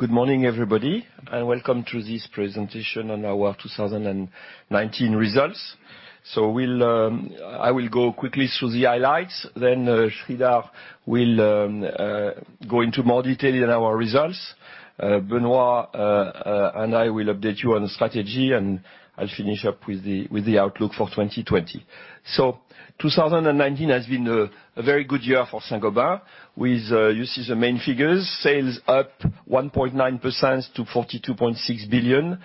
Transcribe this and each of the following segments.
Good morning, everybody, welcome to this presentation on our 2019 results. I will go quickly through the highlights, Sreedhar will go into more detail in our results. Benoit and I will update you on the strategy, I'll finish up with the outlook for 2020. 2019 has been a very good year for Saint-Gobain. You see the main figures, sales up 1.9% to EUR 42.6 billion,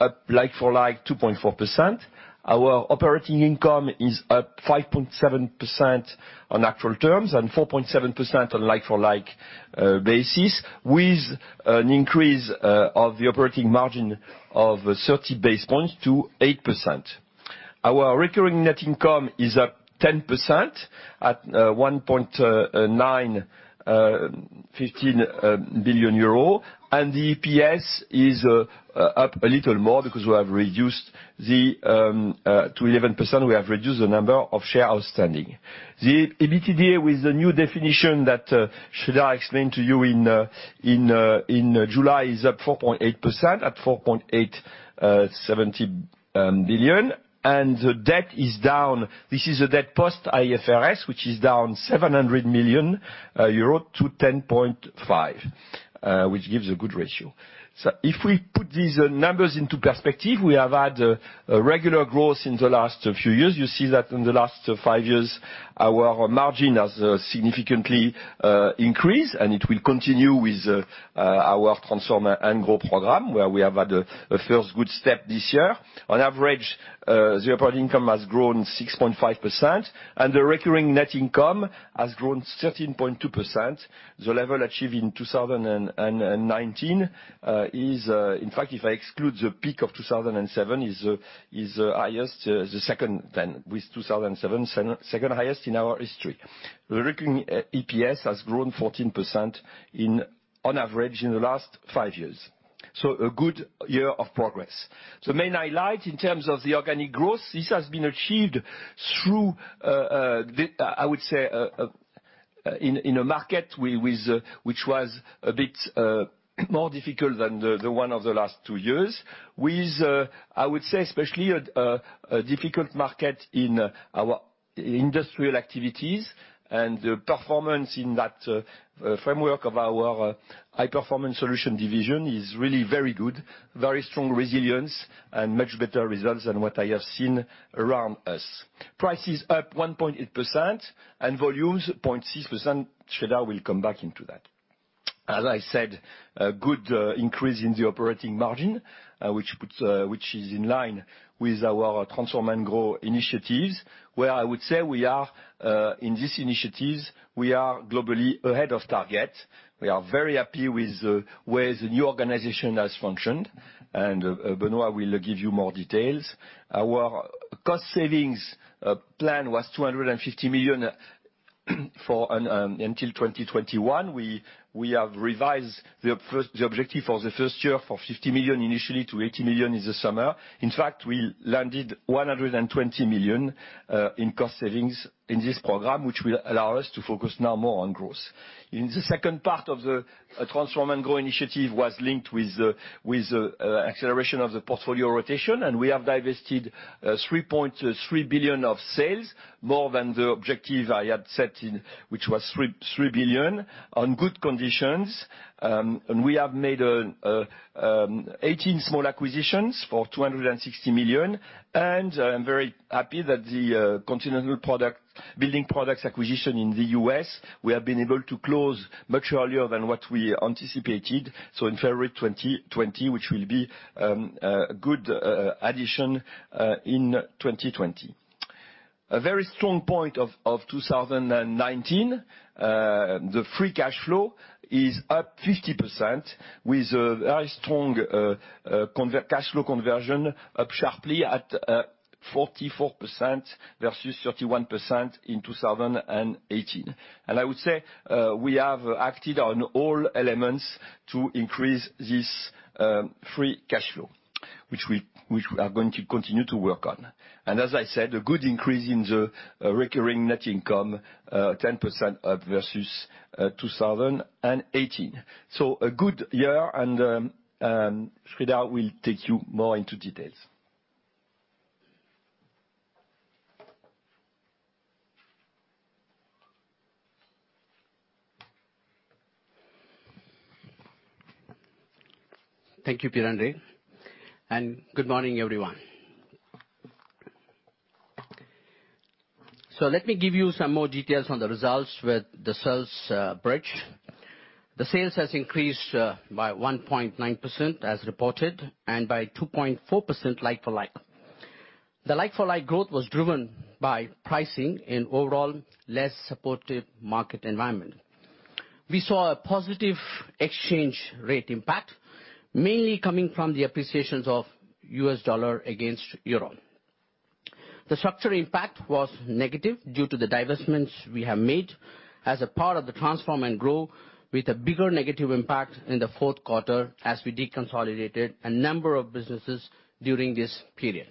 up like-for-like 2.4%. Our operating income is up 5.7% on actual terms 4.7% on like-for-like basis, with an increase of the operating margin of 30 basis points to 8%. Our recurring net income is up 10% at 1.915 billion euro, the EPS is up a little more because we have reduced the number of shares outstanding. The EBITDA with the new definition that Sreedhar explained to you in July is up 4.8% at 4.870 billion, and the debt is down. This is a debt post-IFRS, which is down 700 million euro to 10.5 billion, which gives a good ratio. If we put these numbers into perspective, we have had a regular growth in the last few years. You see that in the last five years, our margin has significantly increased, and it will continue with our Transform & Grow program, where we have had a first good step this year. On average, the operating income has grown 6.5%, and the recurring net income has grown 13.2%. The level achieved in 2019 is, in fact, if I exclude the peak of 2007, is the second then with 2007, second highest in our history. The recurring EPS has grown 14% on average in the last five years. A good year of progress. The main highlight in terms of the organic growth, this has been achieved through, I would say, in a market which was a bit more difficult than the one of the last two years with, I would say, especially a difficult market in our industrial activities and the performance in that framework of our High-Performance Solutions division is really very good, very strong resilience and much better results than what I have seen around us. Prices up 1.8% and volumes 0.6%. Sreedhar will come back into that. As I said, a good increase in the operating margin, which is in line with our Transform & Grow initiatives. Where I would say we are in these initiatives, we are globally ahead of target. We are very happy with the way the new organization has functioned. Benoit will give you more details. Our cost savings plan was 250 million until 2021. We have revised the objective for the first year for 50 million initially to 80 million in the summer. We landed 120 million in cost savings in this program, which will allow us to focus now more on growth. The second part of the Transform & Grow initiative was linked with acceleration of the portfolio rotation. We have divested 3.3 billion of sales, more than the objective I had set, which was 3 billion, on good conditions. We have made 18 small acquisitions for 260 million. I'm very happy that the Continental Building Products acquisition in the U.S. we have been able to close much earlier than what we anticipated. In February 2020, which will be a good addition in 2020. A very strong point of 2019, the free cash flow is up 50% with a very strong cash flow conversion up sharply at 44% versus 31% in 2018. I would say we have acted on all elements to increase this free cash flow, which we are going to continue to work on. As I said, a good increase in the recurring net income, 10% up versus 2018. A good year, and Sreedhar will take you more into details. Thank you, Pierre-André. Good morning, everyone. Let me give you some more details on the results with the sales bridge. The sales has increased by 1.9%, as reported, and by 2.4% like-for-like. The like-for-like growth was driven by pricing in overall less supportive market environment. We saw a positive exchange rate impact, mainly coming from the appreciations of U.S. dollar against euro. The structural impact was negative due to the divestments we have made as a part of the Transform & Grow, with a bigger negative impact in the fourth quarter as we deconsolidated a number of businesses during this period.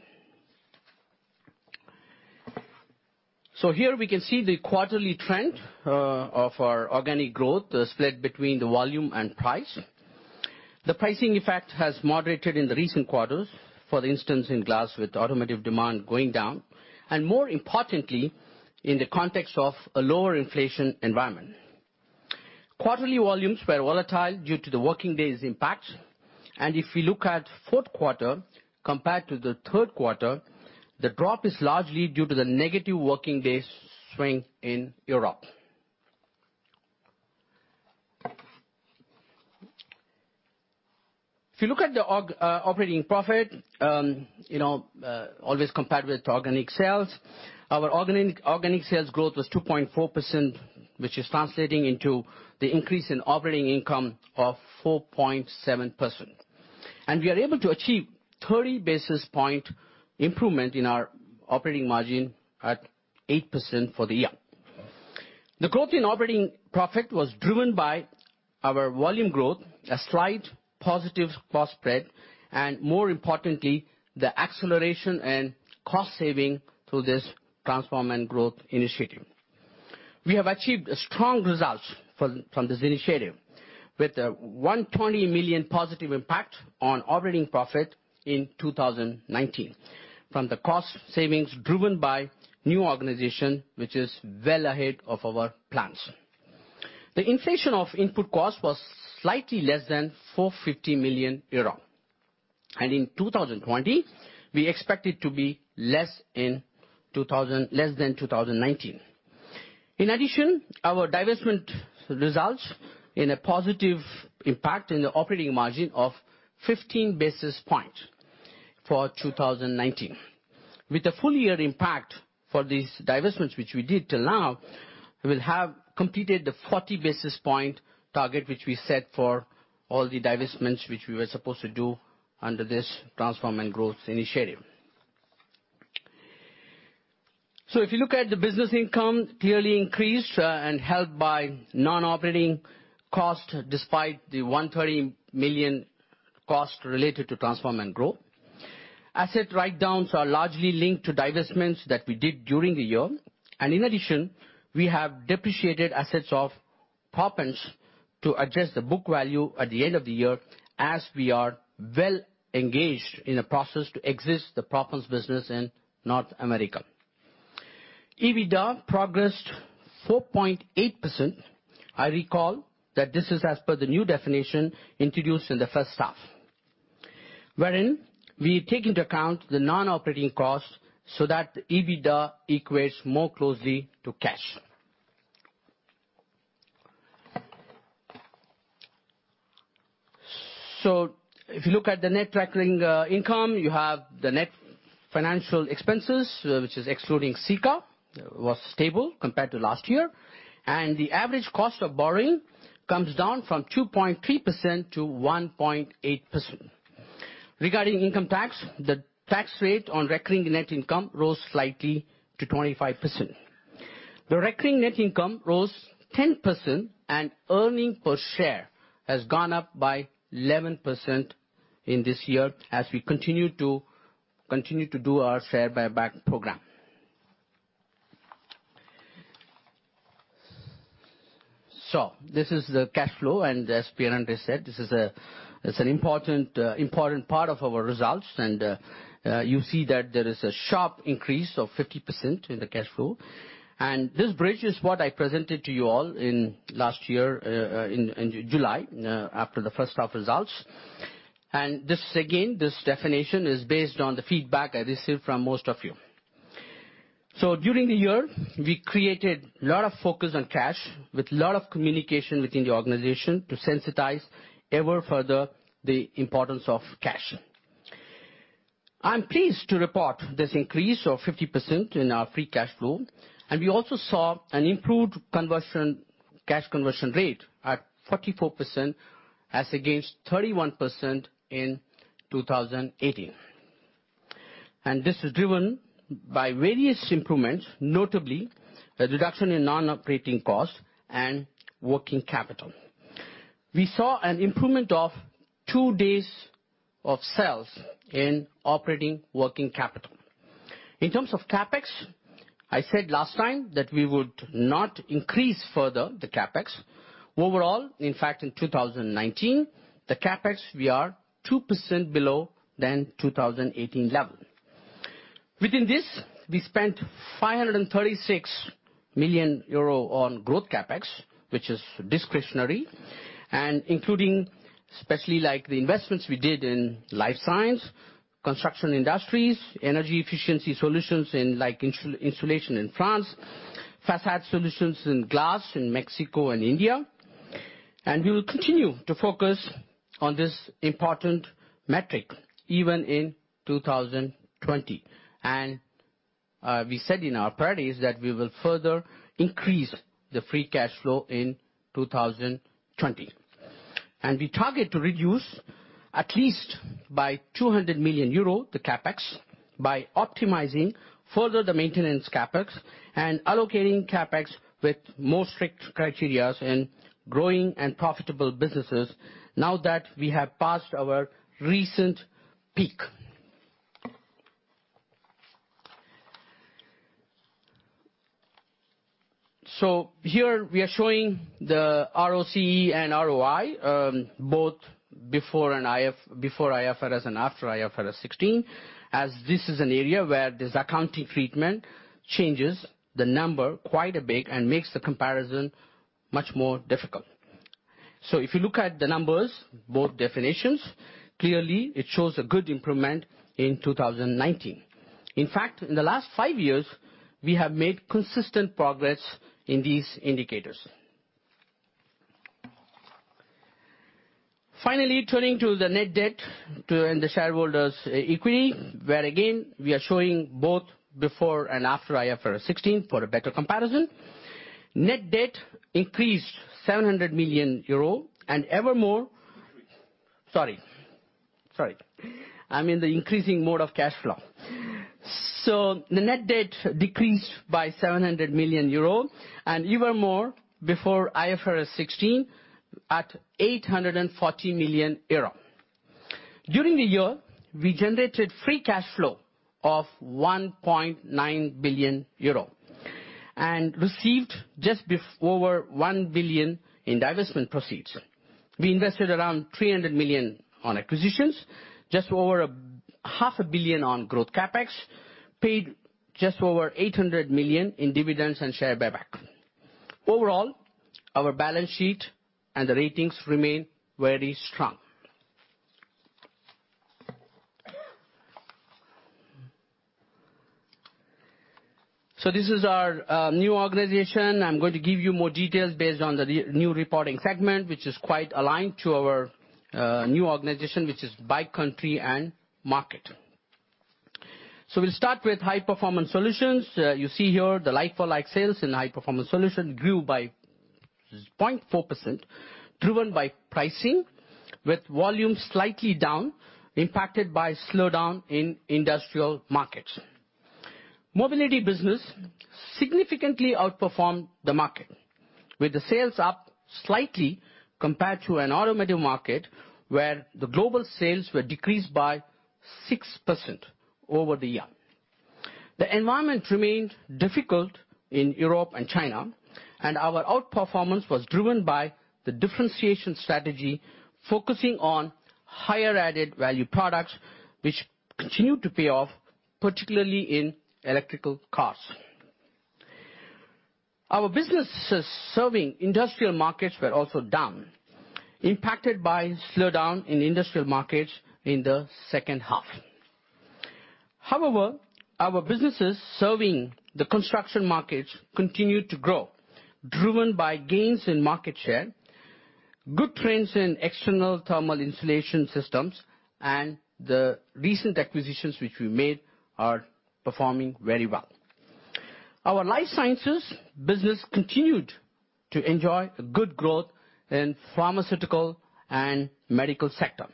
Here we can see the quarterly trend of our organic growth split between the volume and price. The pricing effect has moderated in the recent quarters, for instance, in glass with automotive demand going down, and more importantly, in the context of a lower inflation environment. Quarterly volumes were volatile due to the working days impact. If we look at fourth quarter compared to the third quarter, the drop is largely due to the negative working days swing in Europe. If you look at the operating profit, always compared with organic sales, our organic sales growth was 2.4%, which is translating into the increase in operating income of 4.7%. We are able to achieve 30 basis point improvement in our operating margin at 8% for the year. The growth in operating profit was driven by our volume growth, a slight positive cost spread, and more importantly, the acceleration and cost saving through this Transform & Grow initiative. We have achieved strong results from this initiative, with 120 million positive impact on operating profit in 2019 from the cost savings driven by new organization, which is well ahead of our plans. The inflation of input cost was slightly less than 450 million euro. In 2020, we expect it to be less than 2019. In addition, our divestment results in a positive impact in the operating margin of 15 basis points for 2019. With the full year impact for these divestments, which we did till now, we will have completed the 40 basis point target which we set for all the divestments which we were supposed to do under this Transform & Grow initiative. If you look at the business income, clearly increased and helped by non-operating cost despite the 130 million cost related to Transform & Grow. Asset write-downs are largely linked to divestments that we did during the year. In addition, we have depreciated assets of Proppants to adjust the book value at the end of the year, as we are well engaged in a process to exit the Proppants business in North America. EBITDA progressed 4.8%. I recall that this is as per the new definition introduced in the first half, wherein we take into account the non-operating costs so that EBITDA equates more closely to cash. If you look at the net recurring income, you have the net financial expenses, which is excluding Sika, was stable compared to last year, and the average cost of borrowing comes down from 2.3% to 1.8%. Regarding income tax, the tax rate on recurring net income rose slightly to 25%. The recurring net income rose 10% and earning per share has gone up by 11% in this year as we continue to do our share buyback program. This is the cash flow, as Pierre-André said, this is an important part of our results. You see that there is a sharp increase of 50% in the cash flow. This bridge is what I presented to you all last year in July after the first half results. This again, this definition is based on the feedback I received from most of you. During the year, we created a lot of focus on cash with a lot of communication within the organization to sensitize ever further the importance of cash. I'm pleased to report this increase of 50% in our free cash flow, and we also saw an improved cash conversion rate at 44% as against 31% in 2018. This is driven by various improvements, notably the reduction in non-operating costs and working capital. We saw an improvement of two days of sales in operating working capital. In terms of CapEx, I said last time that we would not increase further the CapEx. Overall, in fact, in 2019, the CapEx, we are 2% below than 2018 level. Within this, we spent 536 million euro on growth CapEx, which is discretionary and including especially like the investments we did in life science, construction industries, energy efficiency solutions in like insulation in France, facade solutions in glass in Mexico and India. We will continue to focus on this important metric even in 2020. We said in our priorities that we will further increase the free cash flow in 2020. We target to reduce at least by 200 million euro the CapEx by optimizing further the maintenance CapEx and allocating CapEx with more strict criterias in growing and profitable businesses now that we have passed our recent peak. Here we are showing the ROCE and ROI, both before IFRS and after IFRS 16, as this is an area where this accounting treatment changes the number quite a bit and makes the comparison much more difficult. If you look at the numbers, both definitions, clearly it shows a good improvement in 2019. In fact, in the last five years, we have made consistent progress in these indicators. Finally, turning to the net debt and the shareholders' equity, where again, we are showing both before and after IFRS 16 for a better comparison. Net debt increased EUR 700 million. Sorry. I mean, the increasing mode of cash flow. The net debt decreased by 700 million euro and even more before IFRS 16 at 840 million euro. During the year, we generated free cash flow of 1.9 billion euro and received just over 1 billion in divestment proceeds. We invested around 300 million on acquisitions, just over a half a billion on growth CapEx, paid just over 800 million in dividends and share buyback. Overall, our balance sheet and the ratings remain very strong. This is our new organization. I'm going to give you more details based on the new reporting segment, which is quite aligned to our new organization, which is by country and market. We'll start with High-Performance Solutions. You see here the like-for-like sales in High-Performance Solutions grew by 0.4%, driven by pricing, with volume slightly down, impacted by slowdown in industrial markets. Mobility business significantly outperformed the market, with the sales up slightly compared to an automotive market where the global sales were decreased by 6% over the year. Our outperformance was driven by the differentiation strategy, focusing on higher added value products, which continued to pay off, particularly in electrical cars. Our businesses serving industrial markets were also down, impacted by a slowdown in industrial markets in the second half. Our businesses serving the construction markets continued to grow, driven by gains in market share, good trends in external thermal insulation systems, and the recent acquisitions which we made are performing very well. Our life sciences business continued to enjoy good growth in pharmaceutical and medical sector.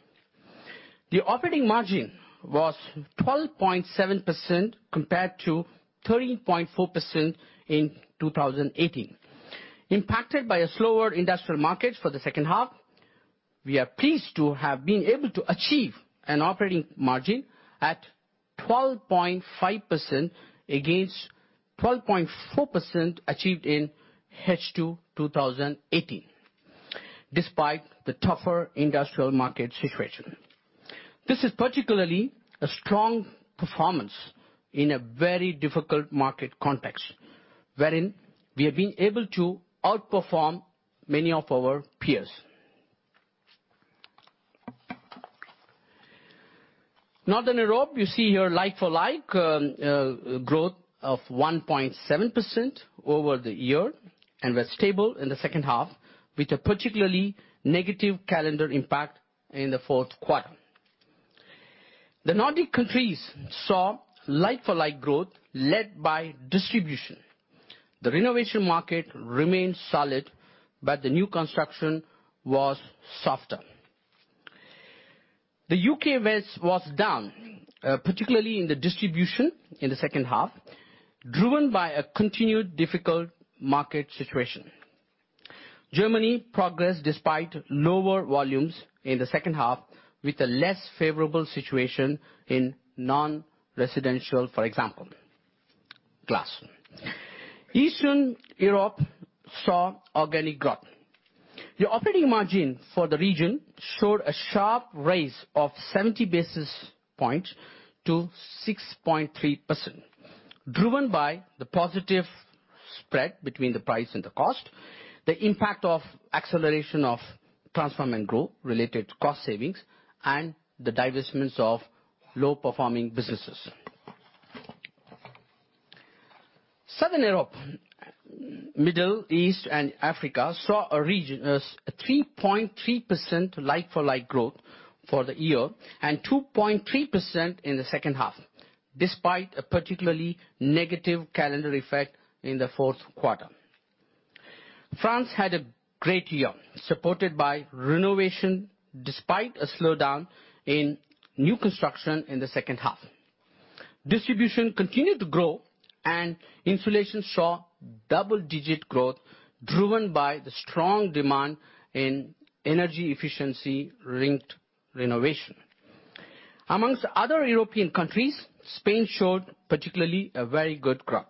The operating margin was 12.7% compared to 13.4% in 2018. Impacted by a slower industrial market for the second half, we are pleased to have been able to achieve an operating margin at 12.5% against 12.4% achieved in H2 2018, despite the tougher industrial market situation. This is particularly a strong performance in a very difficult market context, wherein we have been able to outperform many of our peers. Northern Europe, you see here like for like, growth of 1.7% over the year and was stable in the second half with a particularly negative calendar impact in the fourth quarter. The Nordic countries saw like-for-like growth led by distribution. The renovation market remained solid, but the new construction was softer. The U.K. was down, particularly in the distribution in the second half, driven by a continued difficult market situation. Germany progressed despite lower volumes in the second half with a less favorable situation in non-residential, for example. Glass. Eastern Europe saw organic growth. The operating margin for the region showed a sharp rise of 70 basis points to 6.3%, driven by the positive spread between the price and the cost, the impact of acceleration of Transform & Grow related cost savings, and the divestments of low-performing businesses. Southern Europe, Middle East, and Africa saw a 3.3% like-for-like growth for the year and 2.3% in the second half, despite a particularly negative calendar effect in the fourth quarter. France had a great year, supported by renovation, despite a slowdown in new construction in the second half. Distribution continued to grow, and insulation saw double-digit growth driven by the strong demand in energy efficiency-linked renovation. Amongst other European countries, Spain showed particularly a very good growth.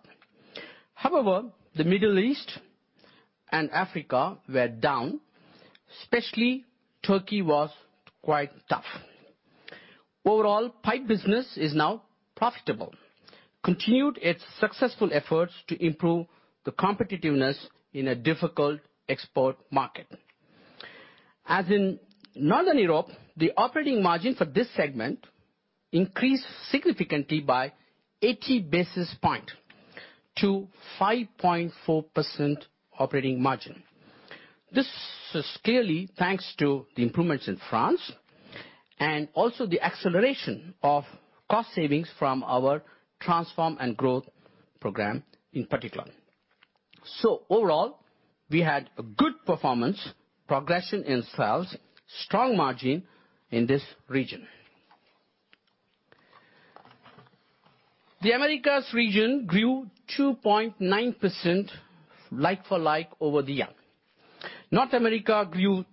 The Middle East and Africa were down, especially Turkey was quite tough. Overall, pipe business is now profitable, continued its successful efforts to improve the competitiveness in a difficult export market. As in Northern Europe, the operating margin for this segment increased significantly by 80 basis points to 5.4% operating margin. This is clearly thanks to the improvements in France and also the acceleration of cost savings from our Transform & Grow program in particular. Overall, we had a good performance, progression in sales, strong margin in this region. The Americas region grew 2.9% like-for-like over the year. North America grew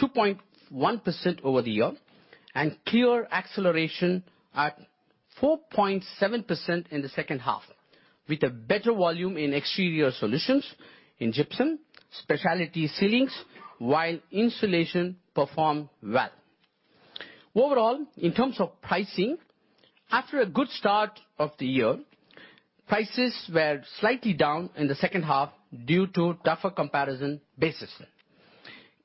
2.1% over the year, and clear acceleration at 4.7% in the second half, with a better volume in exterior solutions in gypsum, specialty ceilings, while insulation performed well. Overall, in terms of pricing, after a good start of the year, prices were slightly down in the second half due to tougher comparison basis.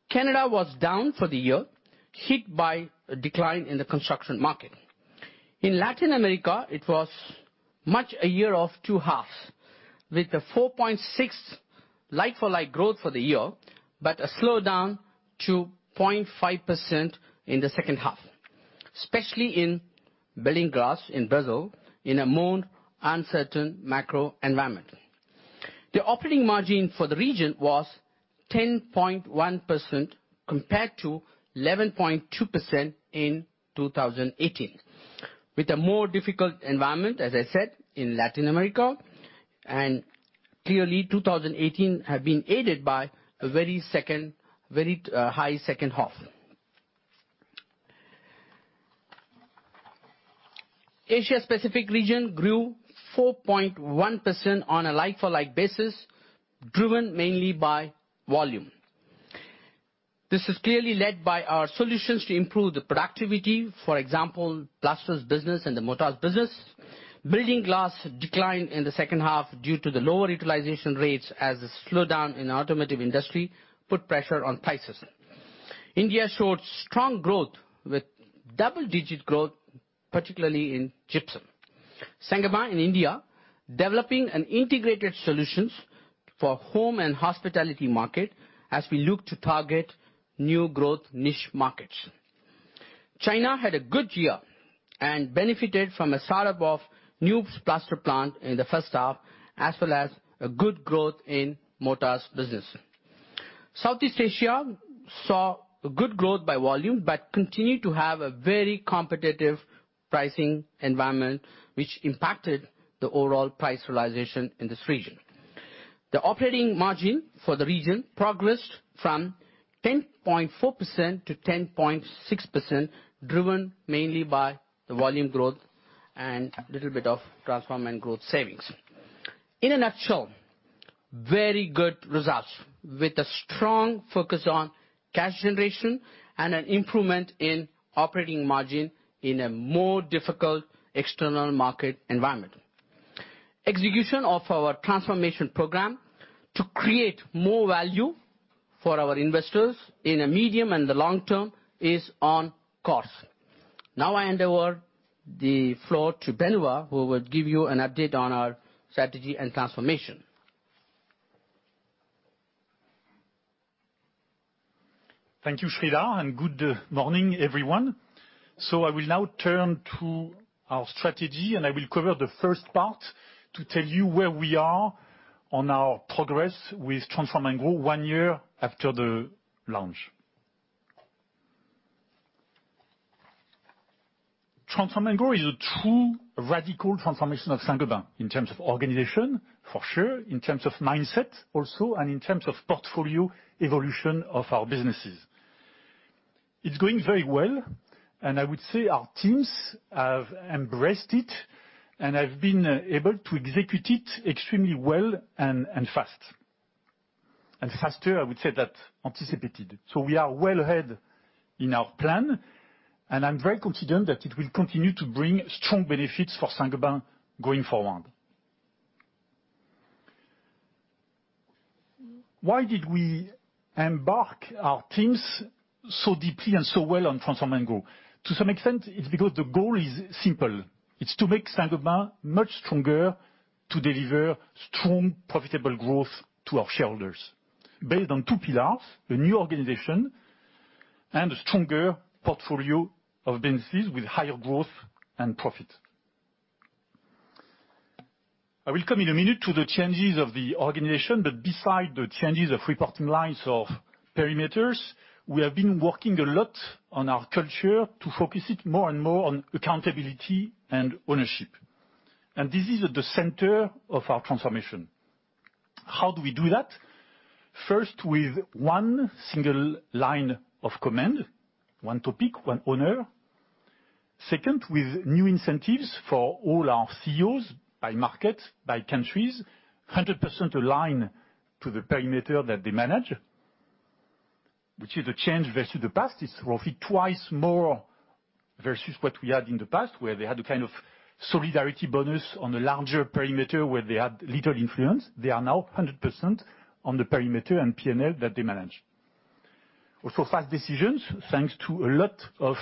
Canada was down for the year, hit by a decline in the construction market. In Latin America, it was much a year of two halves, with a 4.6% like-for-like growth for the year, but a slowdown to 0.5% in the second half, especially in building glass in Brazil in a more uncertain macro environment. The operating margin for the region was 10.1% compared to 11.2% in 2018, with a more difficult environment, as I said, in Latin America, and clearly 2018 had been aided by a very high second half. Asia-Pacific region grew 4.1% on a like-for-like basis, driven mainly by volume. This is clearly led by our solutions to improve the productivity, for example, plasters business and the mortars business. Building glass declined in the second half due to the lower utilization rates as a slowdown in the automotive industry put pressure on prices. India showed strong growth with double-digit growth, particularly in gypsum. Saint-Gobain in India, developing an integrated solutions for home and hospitality market as we look to target new growth niche markets. China had a good year and benefited from a start-up of new plaster plant in the first half, as well as a good growth in mortars business. Southeast Asia saw a good growth by volume, but continued to have a very competitive pricing environment, which impacted the overall price realization in this region. The operating margin for the region progressed from 10.4% to 10.6%, driven mainly by the volume growth and little bit of Transform & Grow savings. In a nutshell, very good results with a strong focus on cash generation and an improvement in operating margin in a more difficult external market environment. Execution of our transformation program to create more value for our investors in a medium and the long term is on course. Now I hand over the floor to Benoit, who will give you an update on our strategy and transformation. Thank you, Sreedhar, and good morning, everyone. I will now turn to our strategy, and I will cover the first part to tell you where we are on our progress with Transform & Grow one year after the launch. Transform & Grow is a true radical transformation of Saint-Gobain in terms of organization, for sure, in terms of mindset also, and in terms of portfolio evolution of our businesses. It's going very well, and I would say our teams have embraced it and have been able to execute it extremely well and fast. Faster, I would say, than anticipated. We are well ahead in our plan, and I'm very confident that it will continue to bring strong benefits for Saint-Gobain going forward. Why did we embark our teams so deeply and so well on Transform & Grow? To some extent, it's because the goal is simple. It's to make Saint-Gobain much stronger to deliver strong, profitable growth to our shareholders based on two pillars, a new organization and a stronger portfolio of businesses with higher growth and profit. I will come in a minute to the changes of the organization. Beside the changes of reporting lines of perimeters, we have been working a lot on our culture to focus it more and more on accountability and ownership. This is at the center of our transformation. How do we do that? First, with one single line of command, one topic, one owner. Second, with new incentives for all our CEOs by market, by countries, 100% aligned to the perimeter that they manage, which is a change versus the past. It's roughly twice more versus what we had in the past, where they had a kind of solidarity bonus on a larger perimeter where they had little influence. They are now 100% on the perimeter and P&L that they manage. Also, fast decisions, thanks to a lot of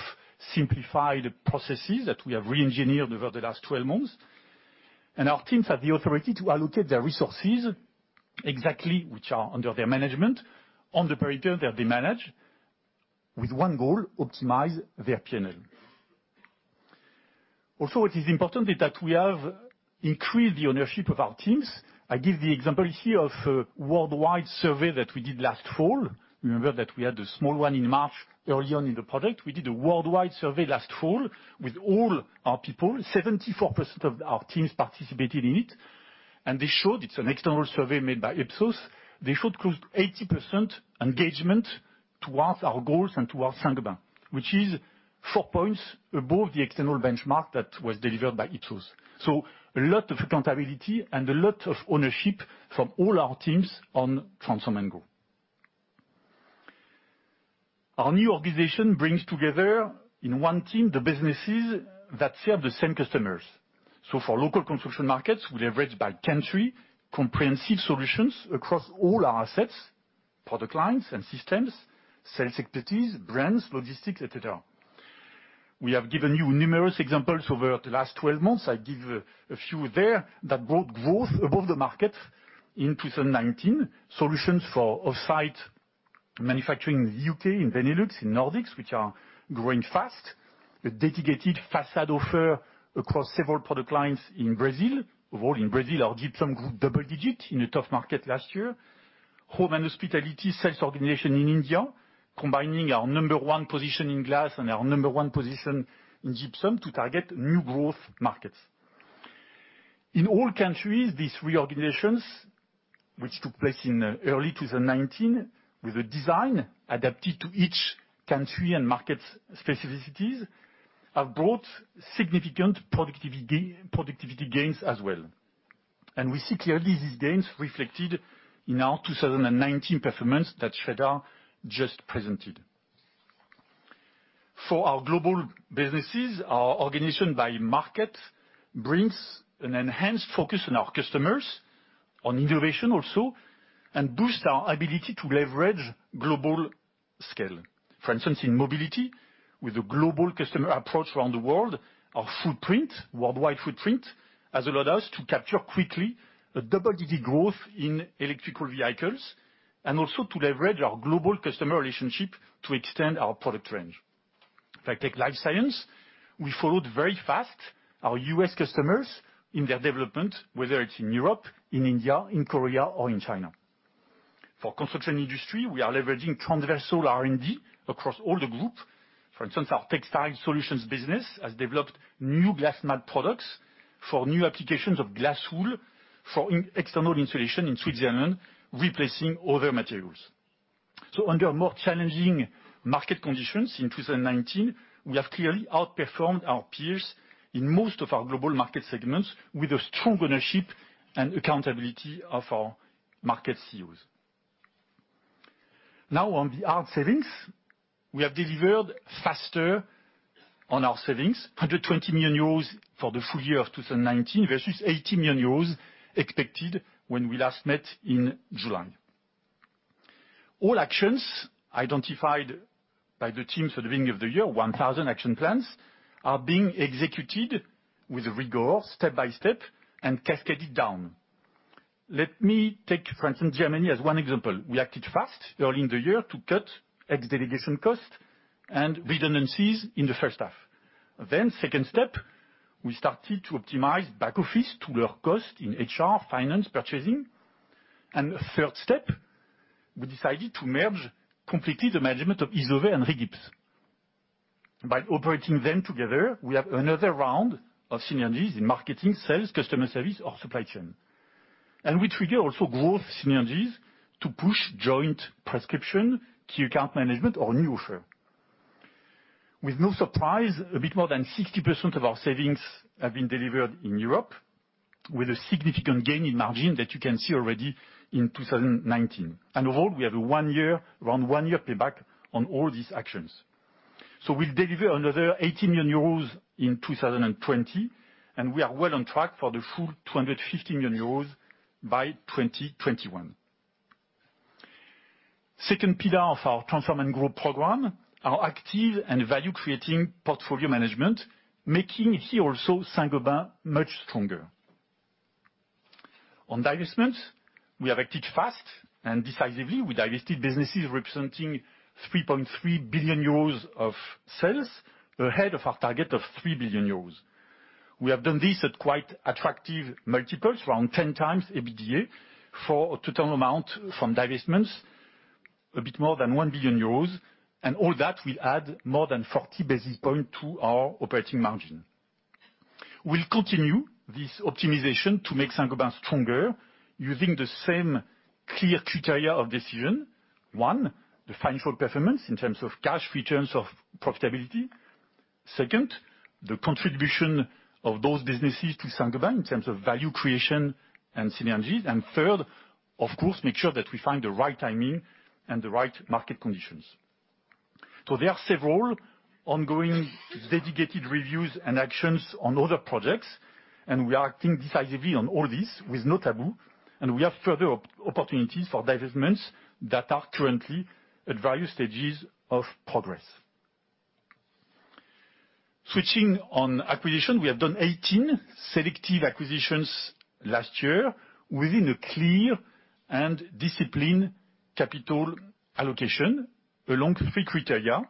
simplified processes that we have re-engineered over the last 12 months, and our teams have the authority to allocate their resources exactly which are under their management on the perimeter that they manage with one goal, optimize their P&L. Also, it is important that we have increased the ownership of our teams. I give the example here of a worldwide survey that we did last fall. Remember that we had a small one in March, early on in the project. We did a worldwide survey last fall with all our people. 74% of our teams participated in it. It's an external survey made by Ipsos. They showed close to 80% engagement towards our goals and towards Saint-Gobain, which is four points above the external benchmark that was delivered by Ipsos. A lot of accountability and a lot of ownership from all our teams on Transform & Grow. Our new organization brings together in one team the businesses that serve the same customers. For local construction markets, we leverage by country comprehensive solutions across all our assets, product lines and systems, sales expertise, brands, logistics, et cetera. We have given you numerous examples over the last 12 months. I give a few there that brought growth above the market in 2019, solutions for offsite manufacturing in the U.K., in Benelux, in Nordics, which are growing fast. The dedicated facade offer across several product lines in Brazil. Overall in Brazil, our gypsum grew double-digit in a tough market last year. Home and hospitality sales organization in India, combining our number one position in glass and our number one position in gypsum to target new growth markets. In all countries, these reorganizations, which took place in early 2019 with a design adapted to each country and market specificities, have brought significant productivity gains as well. We see clearly these gains reflected in our 2019 performance that Sreedhar just presented. For our global businesses, our organization by market brings an enhanced focus on our customers, on innovation also, and boost our ability to leverage global scale. For instance, in mobility, with a global customer approach around the world, our footprint, worldwide footprint, has allowed us to capture quickly a double-digit growth in electrical vehicles and also to leverage our global customer relationship to extend our product range. If I take life science, we followed very fast our U.S. customers in their development, whether it's in Europe, in India, in Korea or in China. For construction industry, we are leveraging transversal R&D across all the group. For instance, our textile solutions business has developed new glass mat products for new applications of glass wool for external insulation in Switzerland, replacing other materials. Under more challenging market conditions in 2019, we have clearly outperformed our peers in most of our global market segments with a strong ownership and accountability of our market CEOs. Now on the hard savings. We have delivered faster on our savings, 120 million euros for the full year of 2019 versus 80 million euros expected when we last met in July. All actions identified by the teams at the beginning of the year, 1,000 action plans, are being executed with rigor step by step and cascaded down. Let me take, for instance, Germany as one example. We acted fast early in the year to cut ex-delegation cost and redundancies in the first half. Second step, we started to optimize back office to lower cost in HR, finance, purchasing. Third step, we decided to merge completely the management of Isover and Rigips. By operating them together, we have another round of synergies in marketing, sales, customer service or supply chain. We trigger also growth synergies to push joint prescription, key-account management or new offer. With no surprise, a bit more than 60% of our savings have been delivered in Europe with a significant gain in margin that you can see already in 2019. Overall, we have around one year payback on all these actions. We'll deliver another 80 million euros in 2020, and we are well on track for the full 250 million euros by 2021. Second pillar of our Transform & Grow program, our active and value-creating portfolio management, making here also Saint-Gobain much stronger. On divestment, we have acted fast and decisively. We divested businesses representing 3.3 billion euros of sales ahead of our target of 3 billion euros. We have done this at quite attractive multiples, around 10x EBITDA for a total amount from divestments, a bit more than 1 billion euros, and all that will add more than 40 basis points to our operating margin. We'll continue this optimization to make Saint-Gobain stronger using the same clear criteria of decision. One, the financial performance in terms of cash returns of profitability. Second, the contribution of those businesses to Saint-Gobain in terms of value creation and synergies. Third, of course, make sure that we find the right timing and the right market conditions. There are several ongoing dedicated reviews and actions on other projects, and we are acting decisively on all these with no taboo, and we have further opportunities for divestments that are currently at various stages of progress. Switching on acquisition, we have done 18 selective acquisitions last year within a clear and disciplined capital allocation along three criteria.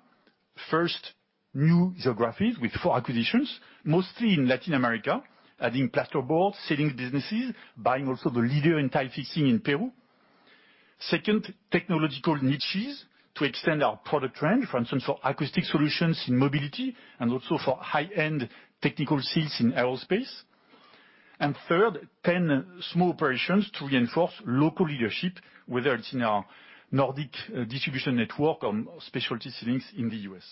First, new geographies with four acquisitions, mostly in Latin America, adding plasterboard, ceilings businesses, buying also the leader in tile fixing in Peru. Second, technological niches to extend our product range, for instance, for acoustic solutions in mobility Also for high-end technical seats in aerospace. Third, 10 small operations to reinforce local leadership, whether it's in our Nordic distribution network or specialty ceilings in the U.S.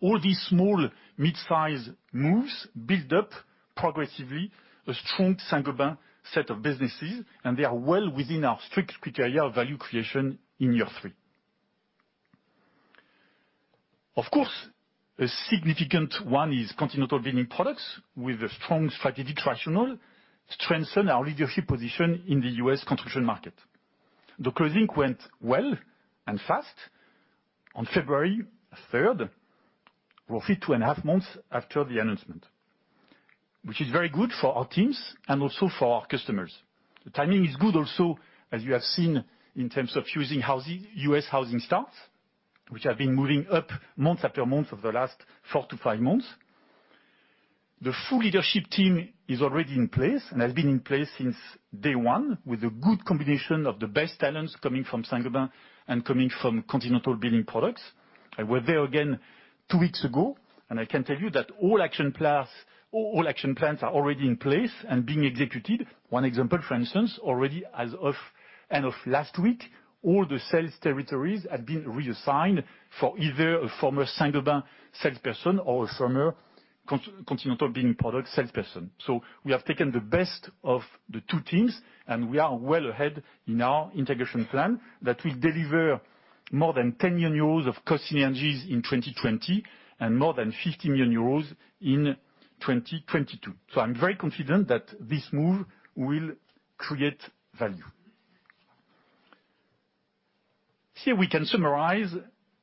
All these small mid-size moves build up progressively a strong Saint-Gobain set of businesses, and they are well within our strict criteria of value creation in year three. Of course, a significant one is Continental Building Products with a strong strategic rationale to strengthen our leadership position in the U.S. construction market. The closing went well and fast on February 3rd, roughly two and a half months after the announcement, which is very good for our teams and also for our customers. The timing is good also, as you have seen in terms of using U.S. housing starts, which have been moving up month after month over the last four to five months. The full leadership team is already in place and has been in place since day one with a good combination of the best talents coming from Saint-Gobain and coming from Continental Building Products. I were there again two weeks ago, and I can tell you that all action plans are already in place and being executed. One example, for instance, already as of end of last week, all the sales territories had been reassigned for either a former Saint-Gobain salesperson or a former Continental Building Products salesperson. We have taken the best of the two teams, and we are well ahead in our integration plan that will deliver more than 10 million euros of cost synergies in 2020 and more than 50 million euros in 2022. I'm very confident that this move will create value. Here we can summarize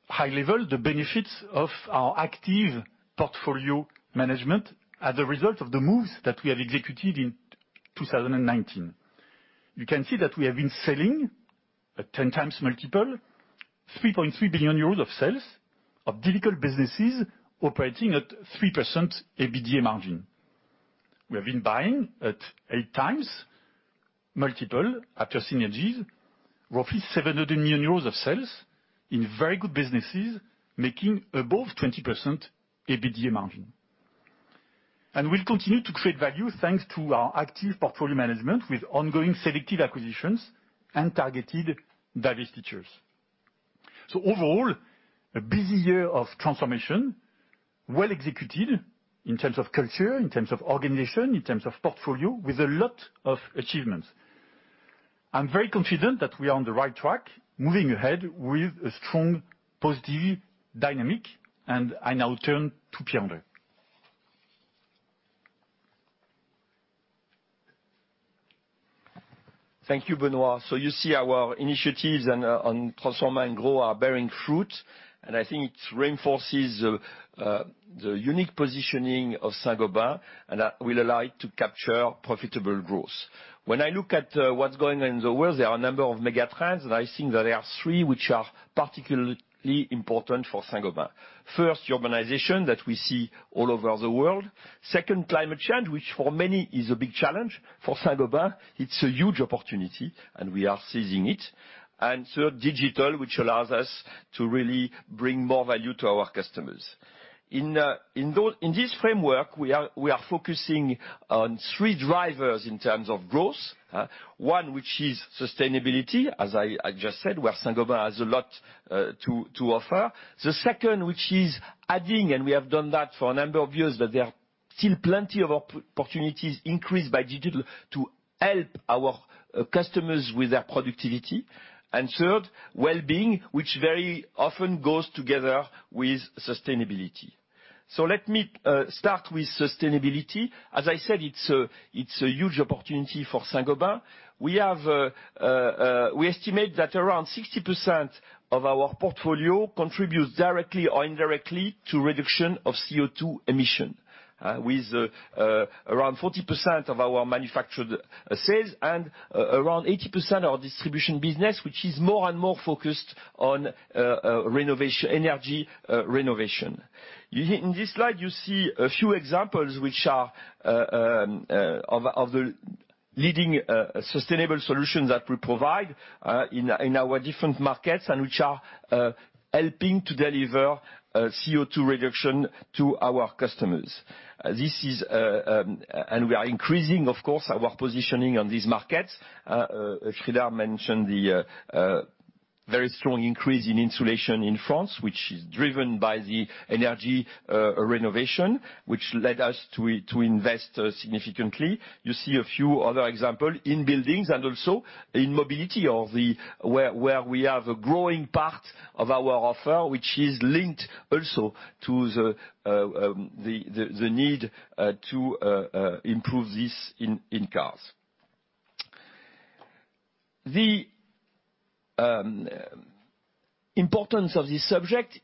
high level the benefits of our active portfolio management as a result of the moves that we have executed in 2019. You can see that we have been selling at 10x multiple, 3.3 billion euros of sales of difficult businesses operating at 3% EBITDA margin. We have been buying at eight times multiple after synergies, roughly 700 million euros of sales in very good businesses making above 20% EBITDA margin. We'll continue to create value thanks to our active portfolio management with ongoing selective acquisitions and targeted divestitures. Overall, a busy year of transformation, well executed in terms of culture, in terms of organization, in terms of portfolio, with a lot of achievements. I'm very confident that we are on the right track, moving ahead with a strong positive dynamic. I now turn to Pierre-André. Thank you, Benoit. You see our initiatives on Transform & Grow are bearing fruit, and I think it reinforces the unique positioning of Saint-Gobain and that will allow it to capture profitable growth. When I look at what's going on in the world, there are a number of mega trends, and I think there are three which are particularly important for Saint-Gobain. First, urbanization that we see all over the world. Second, climate change, which for many is a big challenge. For Saint-Gobain, it's a huge opportunity, and we are seizing it. Third, digital, which allows us to really bring more value to our customers. In this framework, we are focusing on three drivers in terms of growth. One, which is sustainability, as I just said, where Saint-Gobain has a lot to offer. The second, which is adding, and we have done that for a number of years, but there are still plenty of opportunities increased by digital to help our customers with their productivity. Third, wellbeing, which very often goes together with sustainability. Let me start with sustainability. As I said, it's a huge opportunity for Saint-Gobain. We estimate that around 60% of our portfolio contributes directly or indirectly to reduction of CO2 emission, with around 40% of our manufactured sales and around 80% of our distribution business, which is more and more focused on energy renovation. In this slide, you see a few examples of the leading sustainable solutions that we provide in our different markets, and which are helping to deliver CO2 reduction to our customers. We are increasing, of course, our positioning on these markets. Sreedhar mentioned the very strong increase in insulation in France, which is driven by the energy renovation, which led us to invest significantly. You see a few other example in buildings and also in mobility, where we have a growing part of our offer, which is linked also to the need to improve this in cars. The importance of this subject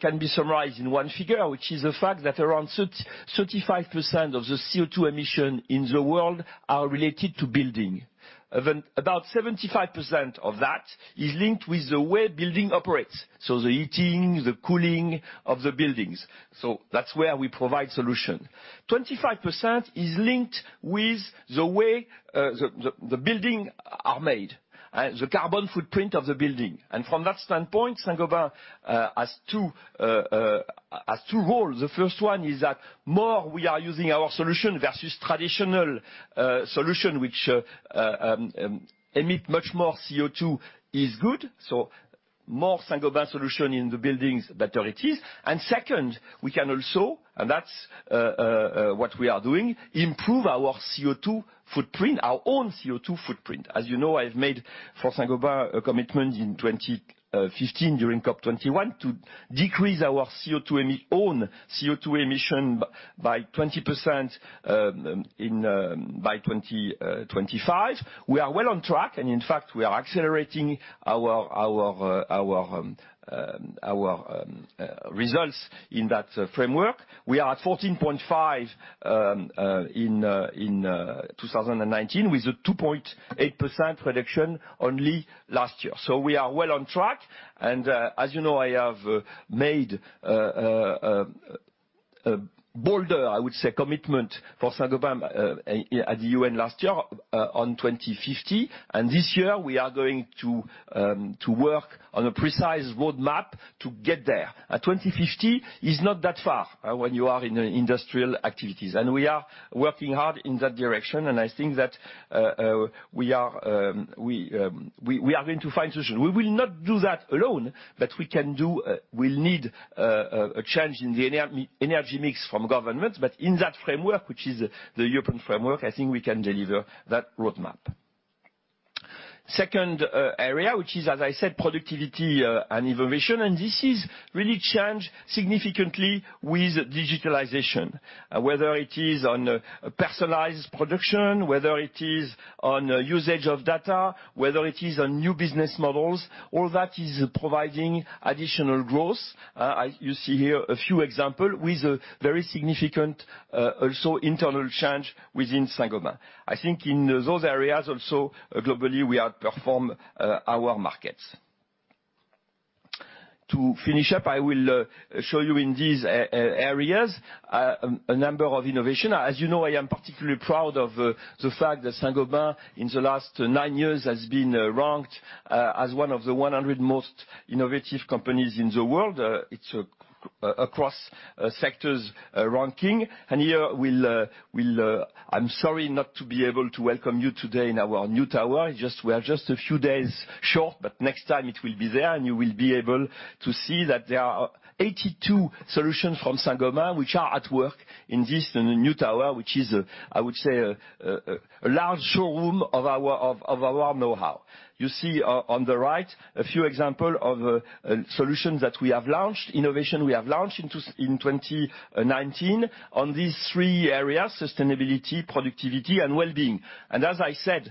can be summarized in one figure, which is the fact that around 35% of the CO2 emission in the world are related to building. About 75% of that is linked with the way building operates, so the heating, the cooling of the buildings. That's where we provide solution. 25% is linked with the way the building are made, the carbon footprint of the building. From that standpoint, Saint-Gobain has two role. The first one is that more we are using our solution versus traditional solution, which emit much more CO2, is good. More Saint-Gobain solution in the buildings, better it is. Second, we can also, and that's what we are doing, improve our own CO2 footprint. As you know, I've made, for Saint-Gobain, a commitment in 2015 during COP21 to decrease our own CO2 emission by 20% by 2025. We are well on track, and in fact, we are accelerating our results in that framework. We are at 14.5% in 2019, with a 2.8% reduction only last year. We are well on track. As you know, I have made a bolder, I would say, commitment for Saint-Gobain at the UN last year on 2050. This year, we are going to work on a precise roadmap to get there. 2050 is not that far when you are in industrial activities, and we are working hard in that direction. I think that we are going to find solution. We will not do that alone. We'll need a change in the energy mix from government, but in that framework, which is the European framework, I think we can deliver that roadmap. Second area, which is, as I said, productivity and innovation. This is really changed significantly with digitalization. Whether it is on personalized production, whether it is on usage of data, whether it is on new business models, all that is providing additional growth. You see here a few example with a very significant, also internal change within Saint-Gobain. I think in those areas also, globally, we outperform our markets. To finish up, I will show you in these areas, a number of innovation. As you know, I am particularly proud of the fact that Saint-Gobain, in the last nine years, has been ranked as one of the 100 most innovative companies in the world. It's across sectors ranking. Here, I'm sorry not to be able to welcome you today in our new tower. We are just a few days short, next time it will be there, and you will be able to see that there are 82 solutions from Saint-Gobain which are at work in this new tower, which is, I would say, a large showroom of our knowhow. You see on the right, a few example of solutions that we have launched, innovation we have launched in 2019 on these three areas, sustainability, productivity, and wellbeing. As I said,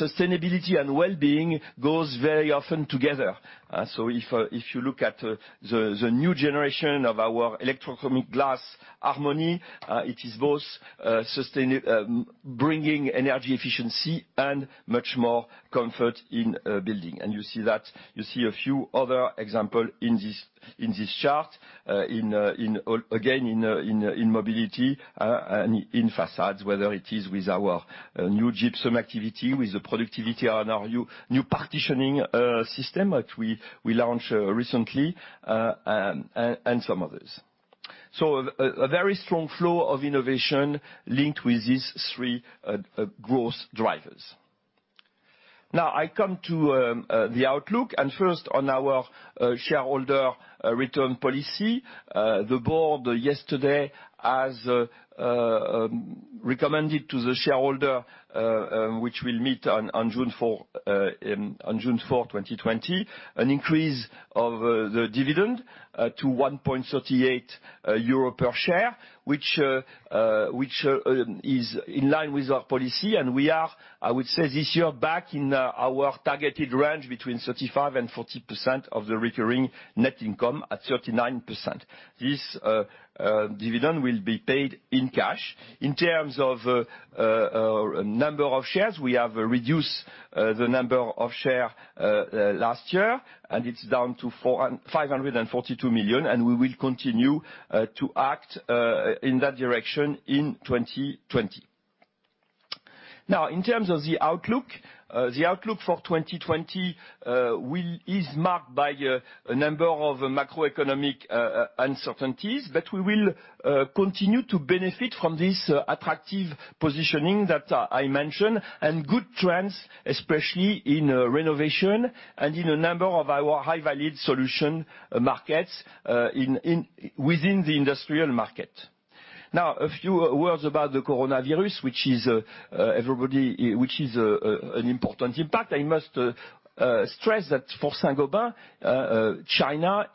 sustainability and wellbeing goes very often together. If you look at the new generation of our electrochromic glass, Harmony, it is both bringing energy efficiency and much more comfort in building. You see a few other examples in this chart, again, in mobility and in facades, whether it is with our new gypsum activity, with the productivity on our new partitioning system that we launched recently, and some others. A very strong flow of innovation linked with these three growth drivers. I come to the outlook, and first on our shareholder return policy. The board, yesterday, has recommended to the shareholder, which will meet on June 4, 2020, an increase of the dividend to 1.38 euro per share, which is in line with our policy. We are, I would say, this year back in our targeted range between 35% and 40% of the recurring net income at 39%. This dividend will be paid in cash. In terms of number of shares, we have reduced the number of share last year, and it's down to 542 million, and we will continue to act in that direction in 2020. Now, in terms of the outlook, the outlook for 2020 is marked by a number of macroeconomic uncertainties. We will continue to benefit from this attractive positioning that I mentioned and good trends, especially in renovation and in a number of our high-value solution markets within the industrial market. Now, a few words about the coronavirus, which is an important impact. I must stress that for Saint-Gobain, China.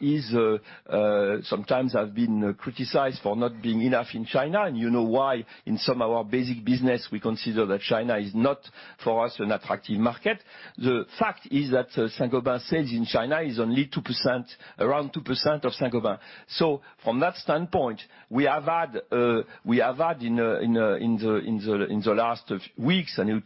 Sometimes I've been criticized for not being enough in China, and you know why. In some of our basic business, we consider that China is not, for us, an attractive market. The fact is that Saint-Gobain sales in China is only around 2% of Saint-Gobain. From that standpoint, we have had in the last weeks, and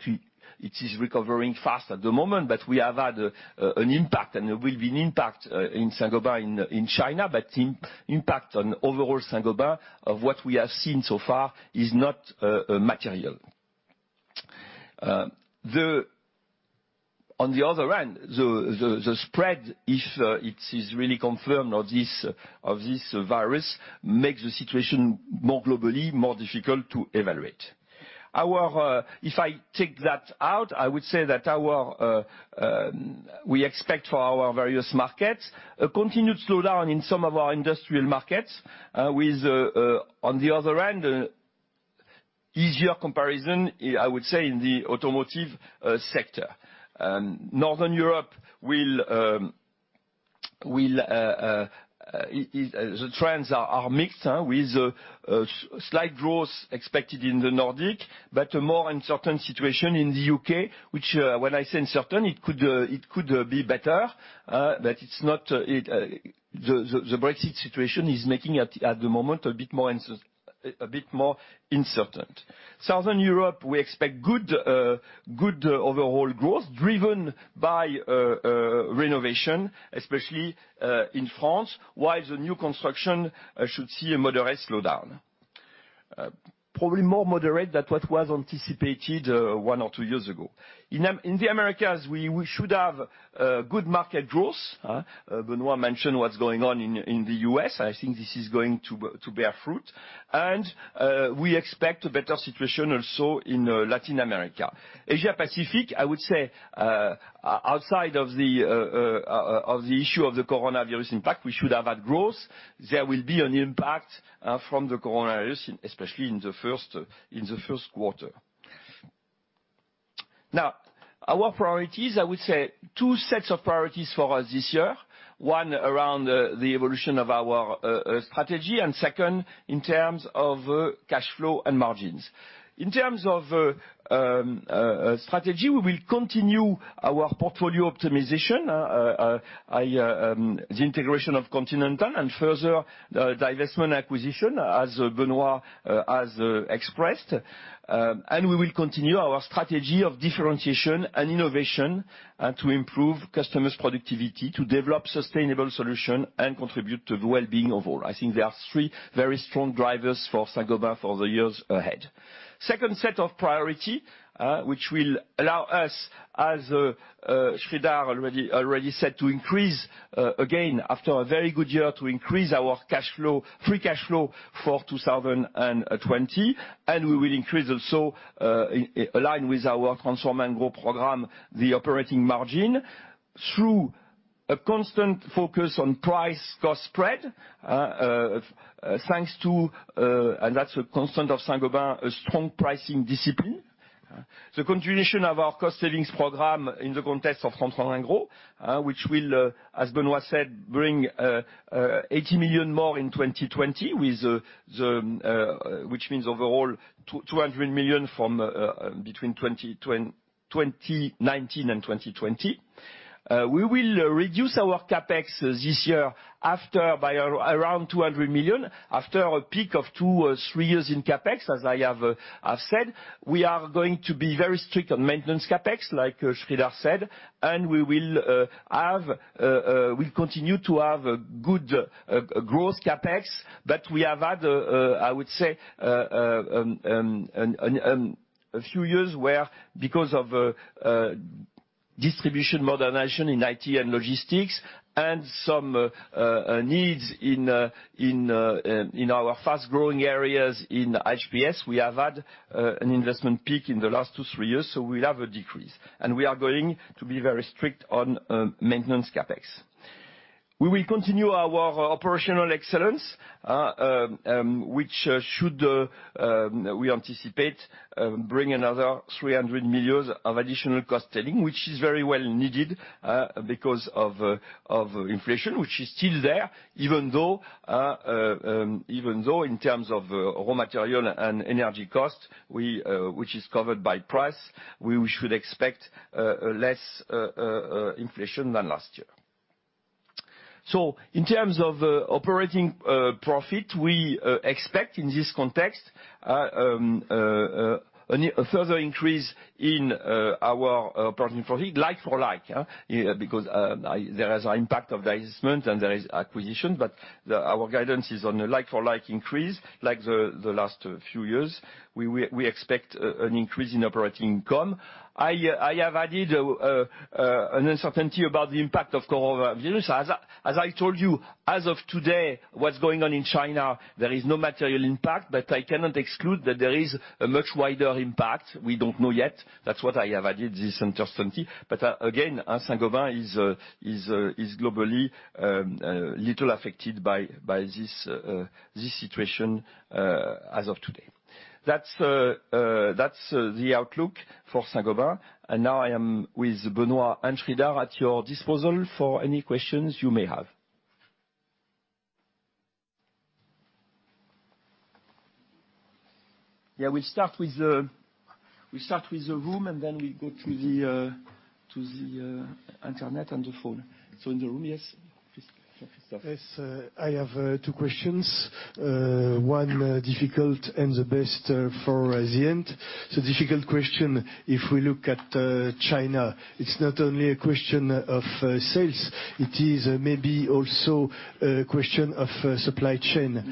it is recovering fast at the moment, but we have had an impact, and there will be an impact in Saint-Gobain in China. The impact on overall Saint-Gobain of what we have seen so far is not material. On the other hand, the spread, if it is really confirmed of this virus, makes the situation more globally, more difficult to evaluate. If I take that out, I would say that we expect for our various markets a continued slowdown in some of our industrial markets with, on the other hand, easier comparison, I would say, in the automotive sector. Northern Europe, the trends are mixed with a slight growth expected in the Nordic, but a more uncertain situation in the U.K., which when I say uncertain, it could be better, but the Brexit situation is making, at the moment, a bit more uncertain. Southern Europe, we expect good overall growth driven by renovation, especially in France, while the new construction should see a moderate slowdown. Probably more moderate than what was anticipated one or two years ago. In the Americas, we should have good market growth. Benoit mentioned what's going on in the U.S., I think this is going to bear fruit, and we expect a better situation also in Latin America. Asia-Pacific, I would say, outside of the issue of the coronavirus impact, we should have had growth. There will be an impact from the coronavirus, especially in the first quarter. Our priorities, I would say two sets of priorities for us this year. One, around the evolution of our strategy, second, in terms of cash flow and margins. In terms of strategy, we will continue our portfolio optimization, the integration of Continental and further divestment acquisition, as Benoit has expressed. We will continue our strategy of differentiation and innovation to improve customers' productivity, to develop sustainable solution, and contribute to the wellbeing of all. I think there are three very strong drivers for Saint-Gobain for the years ahead. Second set of priority, which will allow us, as Sreedhar already said, to increase, again, after a very good year, to increase our free cash flow for 2020. We will increase also, in line with our Transform & Grow program, the operating margin through a constant focus on price-cost spread, thanks to, and that's a constant of Saint-Gobain, a strong pricing discipline. The continuation of our cost savings program in the context of Transform & Grow, which will, as Benoit said, bring 80 million more in 2020, which means overall, 200 million between 2019 and 2020. We will reduce our CapEx this year by around 200 million after a peak of two, three years in CapEx, as I have said. We are going to be very strict on maintenance CapEx, like Sreedhar said, and we'll continue to have good growth CapEx. We have had, I would say, a few years where because of distribution modernization in IT and logistics and some needs in our fast-growing areas in HPS, we have had an investment peak in the last two, three years, so we'll have a decrease. We are going to be very strict on maintenance CapEx. We will continue our operational excellence, which should, we anticipate, bring another 300 million of additional cost saving, which is very well needed because of inflation, which is still there, even though in terms of raw material and energy cost, which is covered by price, we should expect less inflation than last year. In terms of operating profit, we expect, in this context, a further increase in our operating profit, like-for-like. There is an impact of divestment, and there is acquisition, but our guidance is on a like-for-like increase, like the last few years. We expect an increase in operating income. I have added an uncertainty about the impact of coronavirus. As I told you, as of today, what's going on in China, there is no material impact, but I cannot exclude that there is a much wider impact. We don't know yet. That's what I have added, this uncertainty. Again, Saint-Gobain is globally, little affected by this situation as of today. That's the outlook for Saint-Gobain. Now I am with Benoit and Sreedhar at your disposal for any questions you may have. Yeah, we'll start with the room, and then we go to the internet and the phone. In the room, yes, please. Yes, I have two questions. One difficult and the best for the end. Difficult question, if we look at China, it's not only a question of sales, it is maybe also a question of supply chain.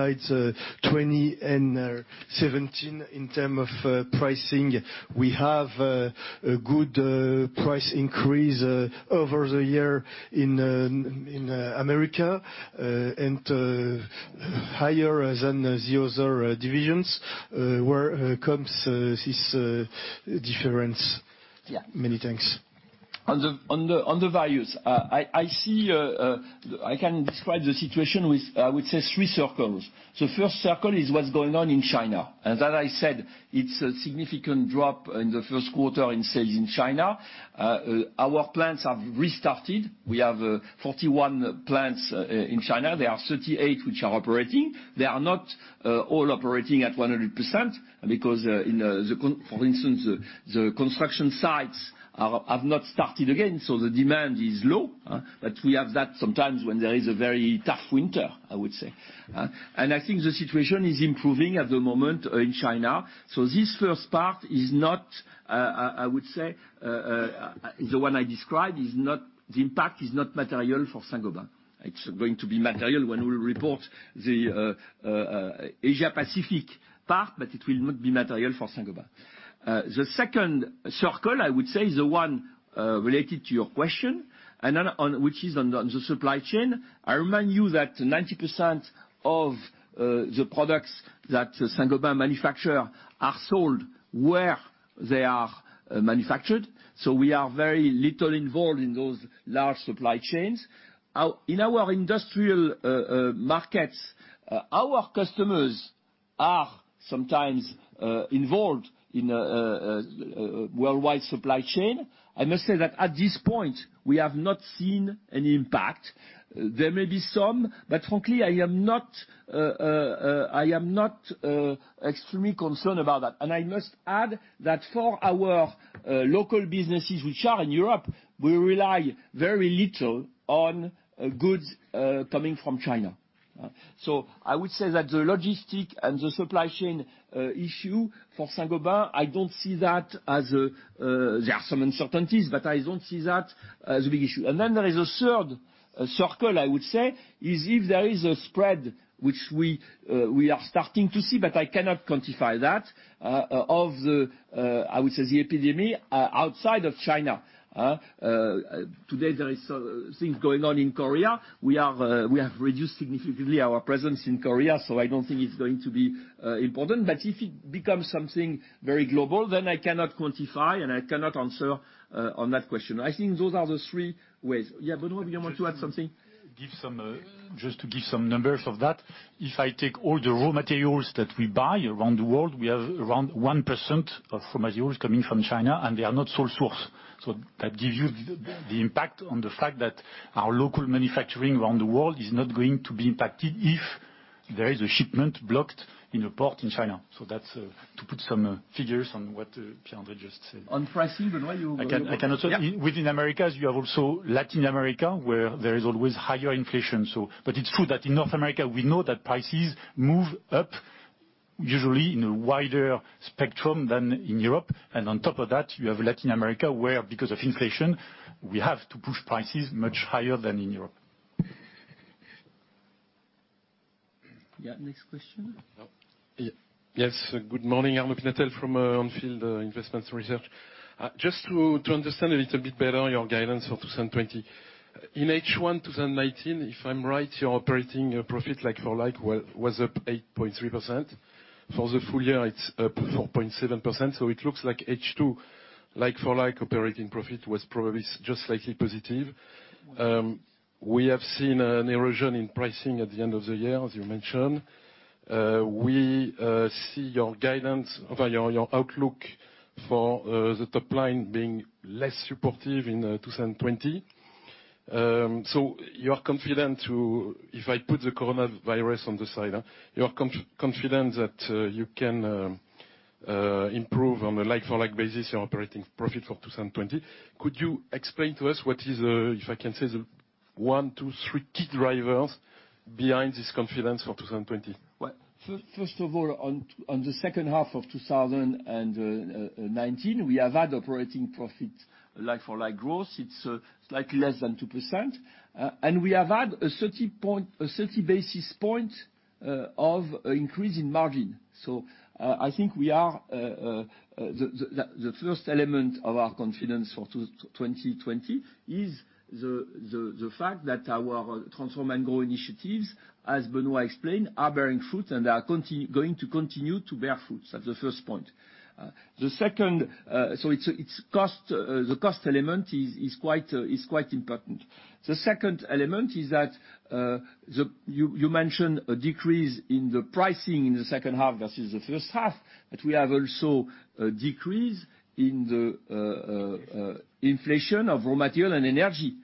No. Could we have some flavor on the supply chain and mainly in the high-performance materials? It is relevant. Secondly, looking at the slides 20 and 17, in terms of pricing, we have a good price increase over the year in America and higher than the other divisions. Where comes this difference? Yeah. Many thanks. On the values, I can describe the situation with, I would say, three circles. First circle is what's going on in China. As I said, it's a significant drop in the first quarter in sales in China. Our plants have restarted. We have 41 plants in China. There are 38 which are operating. They are not all operating at 100%, because for instance, the construction sites have not started again, the demand is low. We have that sometimes when there is a very tough winter, I would say. I think the situation is improving at the moment in China. This first part is not, I would say, the one I described, the impact is not material for Saint-Gobain. It's going to be material when we report the Asia Pacific part, it will not be material for Saint-Gobain. The second circle, I would say, is the one related to your question, which is on the supply chain. I remind you that 90% of the products that Saint-Gobain manufacture are sold where they are manufactured. We are very little involved in those large supply chains. In our industrial markets, our customers are sometimes involved in a worldwide supply chain. I must say that at this point, we have not seen any impact. There may be some, but frankly, I am not extremely concerned about that. I must add that for our local businesses, which are in Europe, we rely very little on goods coming from China. I would say that the logistics and the supply chain issue for Saint-Gobain, there are some uncertainties, but I don't see that as a big issue. There is a third circle, I would say, is if there is a spread, which we are starting to see, but I cannot quantify that, of the, I would say, the epidemic outside of China. Today, there is things going on in Korea. We have reduced significantly our presence in Korea, so I don't think it's going to be important. If it becomes something very global, then I cannot quantify, and I cannot answer on that question. I think those are the three ways. Yeah, Benoit, do you want to add something? Just to give some numbers of that. If I take all the raw materials that we buy around the world, we have around 1% of raw materials coming from China, and they are not sole source. That gives you the impact on the fact that our local manufacturing around the world is not going to be impacted if there is a shipment blocked in a port in China. That's to put some figures on what Pierre-André just said. On pricing, Benoit. I can also- Yeah Within Americas, you have also Latin America, where there is always higher inflation. It's true that in North America, we know that prices move up usually in a wider spectrum than in Europe, and on top of that, you have Latin America, where, because of inflation, we have to push prices much higher than in Europe. Yeah, next question. Yes. Good morning. Arnaud Pinatel from On Field Investment Research. Just to understand a little bit better your guidance for 2020. In H1 2019, if I'm right, your operating profit like-for-like was up 8.3%. For the full year, it's up 4.7%, so it looks like H2, like-for-like operating profit was probably just slightly positive. We have seen an erosion in pricing at the end of the year, as you mentioned. We see your guidance or your outlook for the top line being less supportive in 2020. You are confident to, if I put the coronavirus on the side, you are confident that you can improve on a like-for-like basis your operating profit for 2020? Could you explain to us what is, if I can say, the one, two, three key drivers behind this confidence for 2020? Well, first of all, on the second half of 2019, we have had operating profit like-for-like growth. It's slightly less than 2%. We have had a 30 basis point of increase in margin. I think the first element of our confidence for 2020 is the fact that our Transform & Grow initiatives, as Benoit explained, are bearing fruit and are going to continue to bear fruits. That's the first point. The cost element is quite important. The second element is that, you mentioned a decrease in the pricing in the second half versus the first half. We also have decrease inflation of raw material and energy.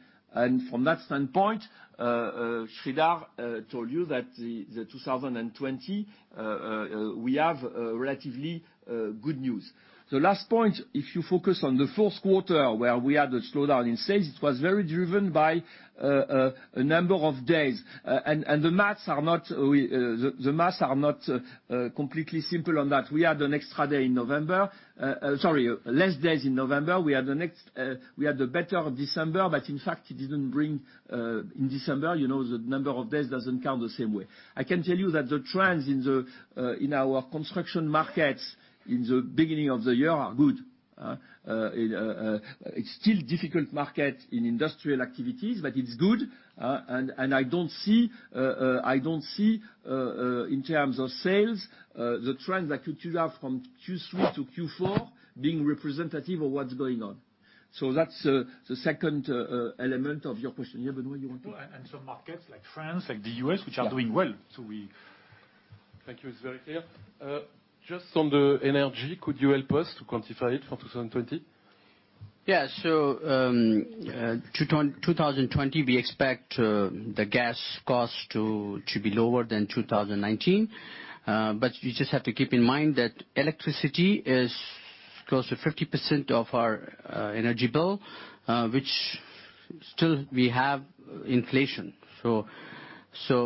From that standpoint, Sreedhar told you that the 2020, we have relatively good news. The last point, if you focus on the fourth quarter where we had the slowdown in sales, it was very driven by a number of days. The math are not completely simple on that. We had an extra day in November. Sorry, less days in November. We had a better December, but in fact it didn't bring in December, the number of days doesn't count the same way. I can tell you that the trends in our construction markets in the beginning of the year are good. It's still difficult market in industrial activities, but it's good. I don't see, in terms of sales, the trends that you have from Q3 to Q4 being representative of what's going on. That's the second element of your question. Yeah, Benoit, you want to? Some markets like France, like the U.S., which are doing well. Yeah. Thank you. It's very clear. Just on the energy, could you help us to quantify it for 2020? Yeah. 2020, we expect the gas cost to be lower than 2019. You just have to keep in mind that electricity is close to 50% of our energy bill, which still we have inflation.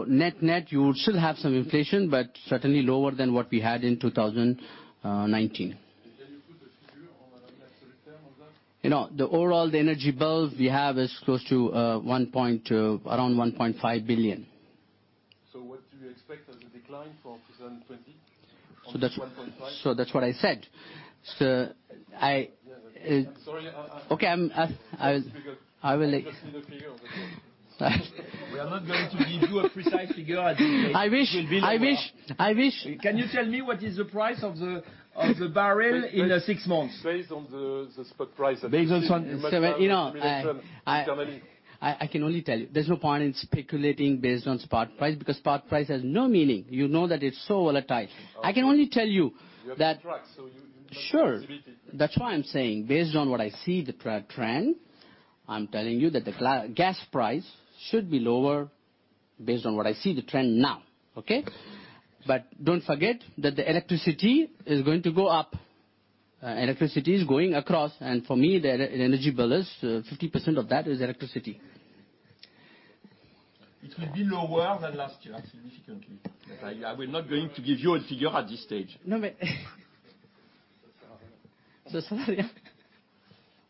Net, you would still have some inflation, but certainly lower than what we had in 2019. Can you put the figure on an absolute term on that? The overall, the energy bills we have is close to around 1.5 billion. What do you expect as a decline for 2020 on this EUR 1.5 billion? That's what I said. Yeah, I'm sorry. Okay, I will. I just need a figure. That's all. We are not going to give you a precise figure at this stage. I wish. It will be lower. I wish. Can you tell me what is the price of the barrel in six months? Based on the spot price at this time. Based on simulation. I can only tell you, there's no point in speculating based on spot price, because spot price has no meaning. You know that it's so volatile. Okay. I can only tell you that. You have the tracks, so you know the visibility. Sure. That's why I'm saying, based on what I see the trend, I'm telling you that the gas price should be lower, based on what I see the trend now. Okay? Don't forget that the electricity is going to go up. Electricity is going up, and for me, the energy bill is 50% of that is electricity. It will be lower than last year, significantly. We're not going to give you a figure at this stage. No, but.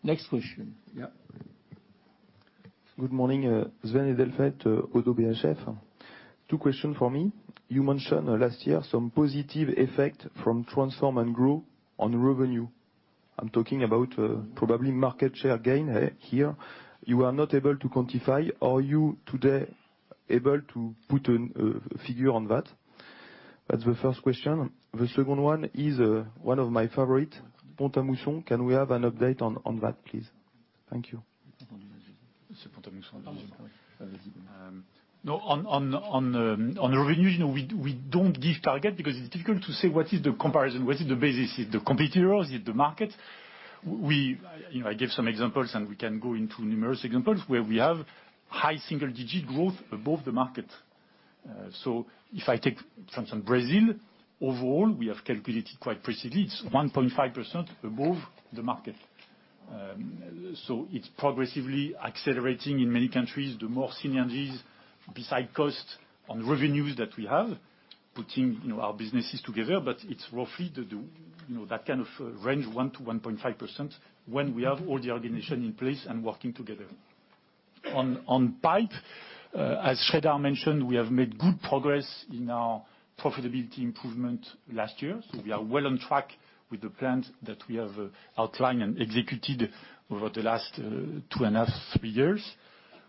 Next question. Yeah. Good morning. Sven Edelfelt, Oddo BHF. Two question from me. You mentioned last year some positive effect from Transform & Grow on revenue. I'm talking about probably market share gain here. You were not able to quantify. Are you today able to put a figure on that? That's the first question. The second one is one of my favorite, Pont-à-Mousson. Can we have an update on that, please? Thank you. On the revenues, we don't give target because it's difficult to say what is the comparison, what is the basis? Is it the competitors? Is it the market? I gave some examples and we can go into numerous examples where we have high single digit growth above the market. If I take from Brazil, overall, we have calculated quite precisely, it's 1.5% above the market. It's progressively accelerating in many countries. The more synergies beside cost on revenues that we have, putting our businesses together. It's roughly that kind of range, 1%-1.5%, when we have all the organization in place and working together. On pipe, as Sreedhar mentioned, we have made good progress in our profitability improvement last year. We are well on track with the plans that we have outlined and executed over the last two and a half, three years.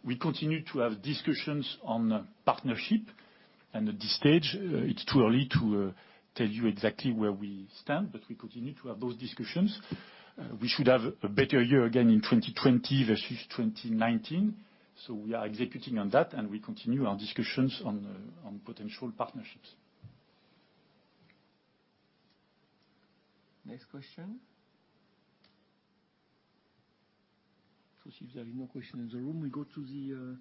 We continue to have discussions on partnership. At this stage, it's too early to tell you exactly where we stand, but we continue to have those discussions. We should have a better year again in 2020 versus 2019. We are executing on that, and we continue our discussions on potential partnerships. Next question. If there are no question in the room, we go to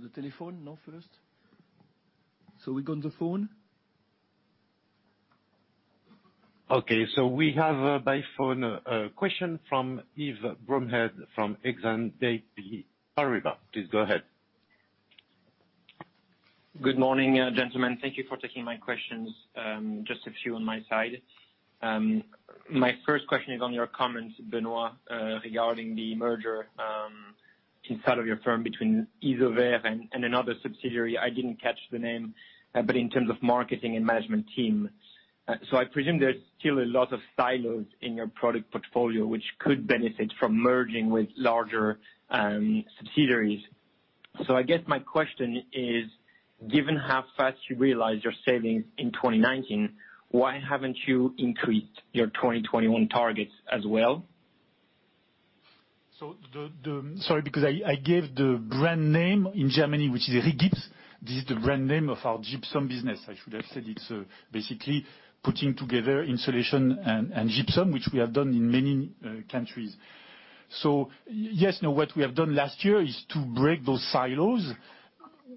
the telephone now first. We go on the phone. We have by phone a question from Yves Bromehead from Exane BNP Paribas. Please go ahead. Good morning, gentlemen. Thank you for taking my questions. Just a few on my side. My first question is on your comments, Benoit, regarding the merger inside of your firm between Isover and another subsidiary, I didn't catch the name, but in terms of marketing and management team. I presume there's still a lot of silos in your product portfolio, which could benefit from merging with larger subsidiaries. I guess my question is, given how fast you realized your savings in 2019, why haven't you increased your 2021 targets as well? Sorry, because I gave the brand name in Germany, which is Rigips. This is the brand name of our gypsum business. I should have said it. Basically putting together insulation and gypsum, which we have done in many countries. Yes, now what we have done last year is to break those silos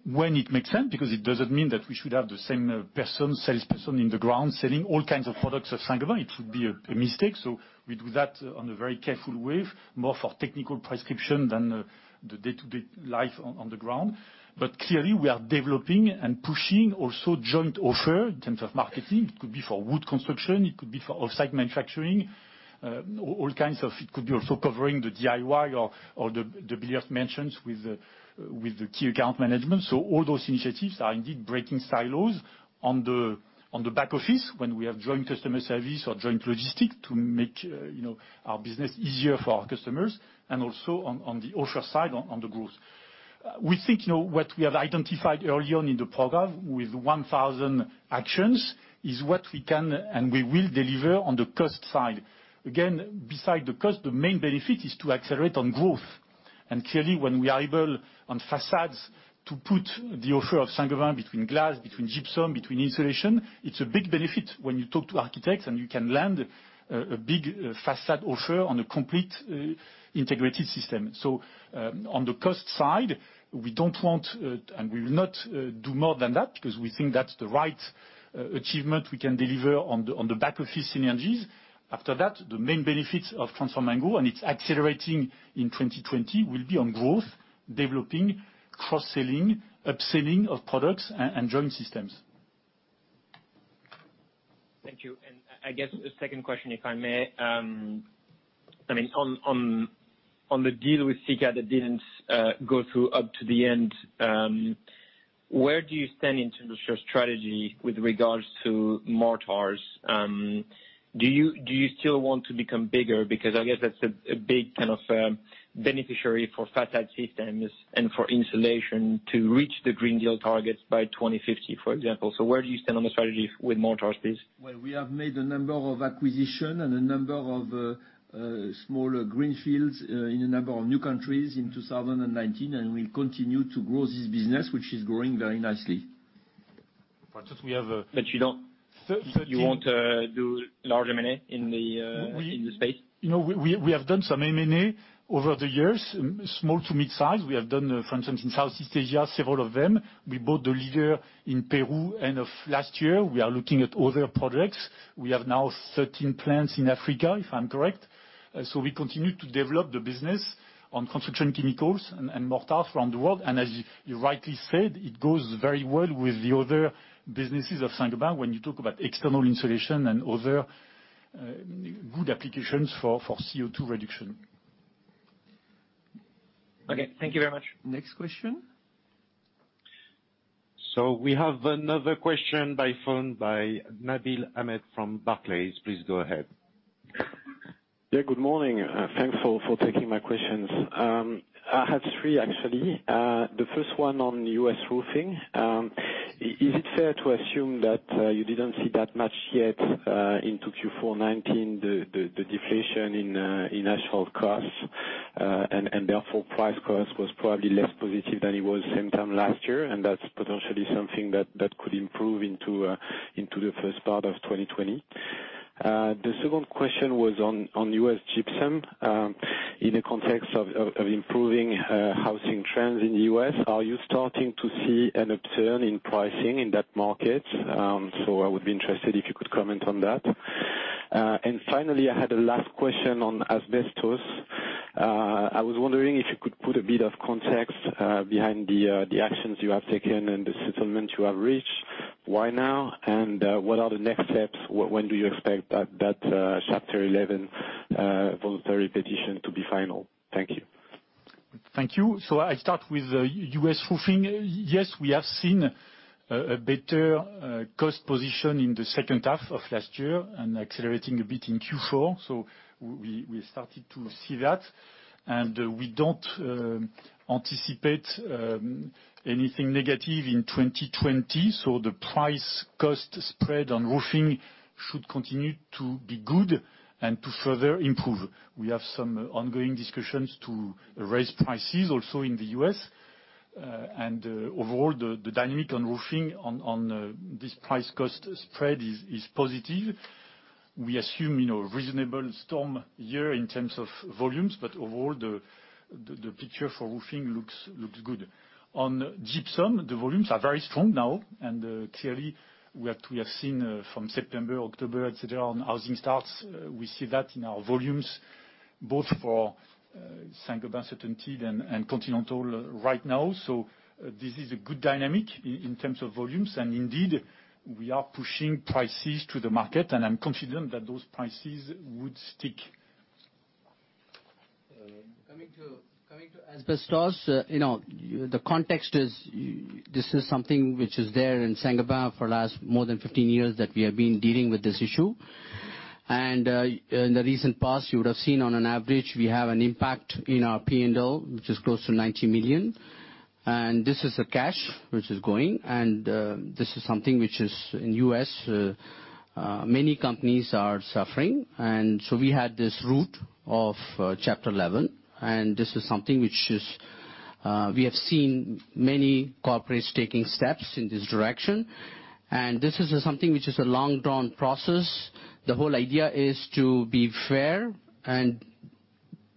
when it makes sense, because it doesn't mean that we should have the same salesperson on the ground selling all kinds of products of Saint-Gobain. It would be a mistake. We do that on a very careful way, more for technical prescription than the day-to-day life on the ground. Clearly we are developing and pushing also joint offer in terms of marketing. It could be for wood construction, it could be for off-site manufacturing. It could be also covering the DIY or the key-account management with the key-account management. All those initiatives are indeed breaking silos on the back office when we have joint customer service or joint logistic to make our business easier for our customers and also on the offer side on the growth. We think what we have identified early on in the program with 1,000 actions is what we can and we will deliver on the cost side. Again, beside the cost, the main benefit is to accelerate on growth. Clearly, when we are able on facades to put the offer of Saint-Gobain between glass, between gypsum, between insulation, it's a big benefit when you talk to architects and you can land a big facade offer on a complete integrated system. On the cost side, we don't want, and we will not do more than that because we think that's the right achievement we can deliver on the back-office synergies. After that, the main benefits of Transform & Grow, and it's accelerating in 2020, will be on growth, developing, cross-selling, upselling of products and joint systems. Thank you. I guess a second question, if I may. On the deal with Sika that didn't go through up to the end, where do you stand in terms of your strategy with regards to mortars? Do you still want to become bigger? I guess that's a big kind of beneficiary for facade systems and for insulation to reach the Green Deal targets by 2050, for example. Where do you stand on the strategy with mortars, please? We have made a number of acquisition and a number of smaller greenfields in a number of new countries in 2019, and we'll continue to grow this business, which is growing very nicely. But just we have-. You won't do large M&A in the space? We have done some M&A over the years, small to mid-size. We have done, for instance, in Southeast Asia, several of them. We bought the leader in Peru end of last year. We are looking at other projects. We have now 13 plants in Africa, if I'm correct. We continue to develop the business on construction chemicals and mortars around the world. As you rightly said, it goes very well with the other businesses of Saint-Gobain when you talk about external insulation and other good applications for CO2 reduction. Okay. Thank you very much. Next question. We have another question by phone by Nabil Ahmed from Barclays. Please go ahead. Yeah, good morning. Thanks for taking my questions. I have three, actually. The first one on U.S. roofing. Is it fair to assume that you didn't see that much yet into Q4 2019, the deflation in asphalt costs, and therefore price cost was probably less positive than it was same time last year, and that's potentially something that could improve into the first part of 2020. The second question was on U.S. gypsum. In the context of improving housing trends in the U.S., are you starting to see an upturn in pricing in that market? I would be interested if you could comment on that. Finally, I had a last question on asbestos. I was wondering if you could put a bit of context behind the actions you have taken and the settlement you have reached. Why now? What are the next steps? When do you expect that Chapter 11 voluntary petition to be final? Thank you. Thank you. I start with U.S. roofing. Yes, we have seen a better cost position in the second half of last year and accelerating a bit in Q4. We started to see that, and we don't anticipate anything negative in 2020. The price-cost spread on roofing should continue to be good and to further improve. We have some ongoing discussions to raise prices also in the U.S. Overall, the dynamic on roofing on this price cost spread is positive. We assume a reasonable storm year in terms of volumes, but overall, the picture for roofing looks good. On gypsum, the volumes are very strong now, clearly we have seen from September, October, et cetera, on housing starts. We see that in our volumes both for Saint-Gobain CertainTeed and Continental right now. This is a good dynamic in terms of volumes. Indeed, we are pushing prices to the market, and I'm confident that those prices would stick. Coming to asbestos, the context is this is something which is there in Saint-Gobain for the last more than 15 years that we have been dealing with this issue. In the recent past, you would have seen on an average, we have an impact in our P&L, which is close to 90 million. This is a cash which is going, this is something which is in U.S., many companies are suffering. We had this route of Chapter 11, this is something which we have seen many corporates taking steps in this direction. This is something which is a long drawn process. The whole idea is to be fair and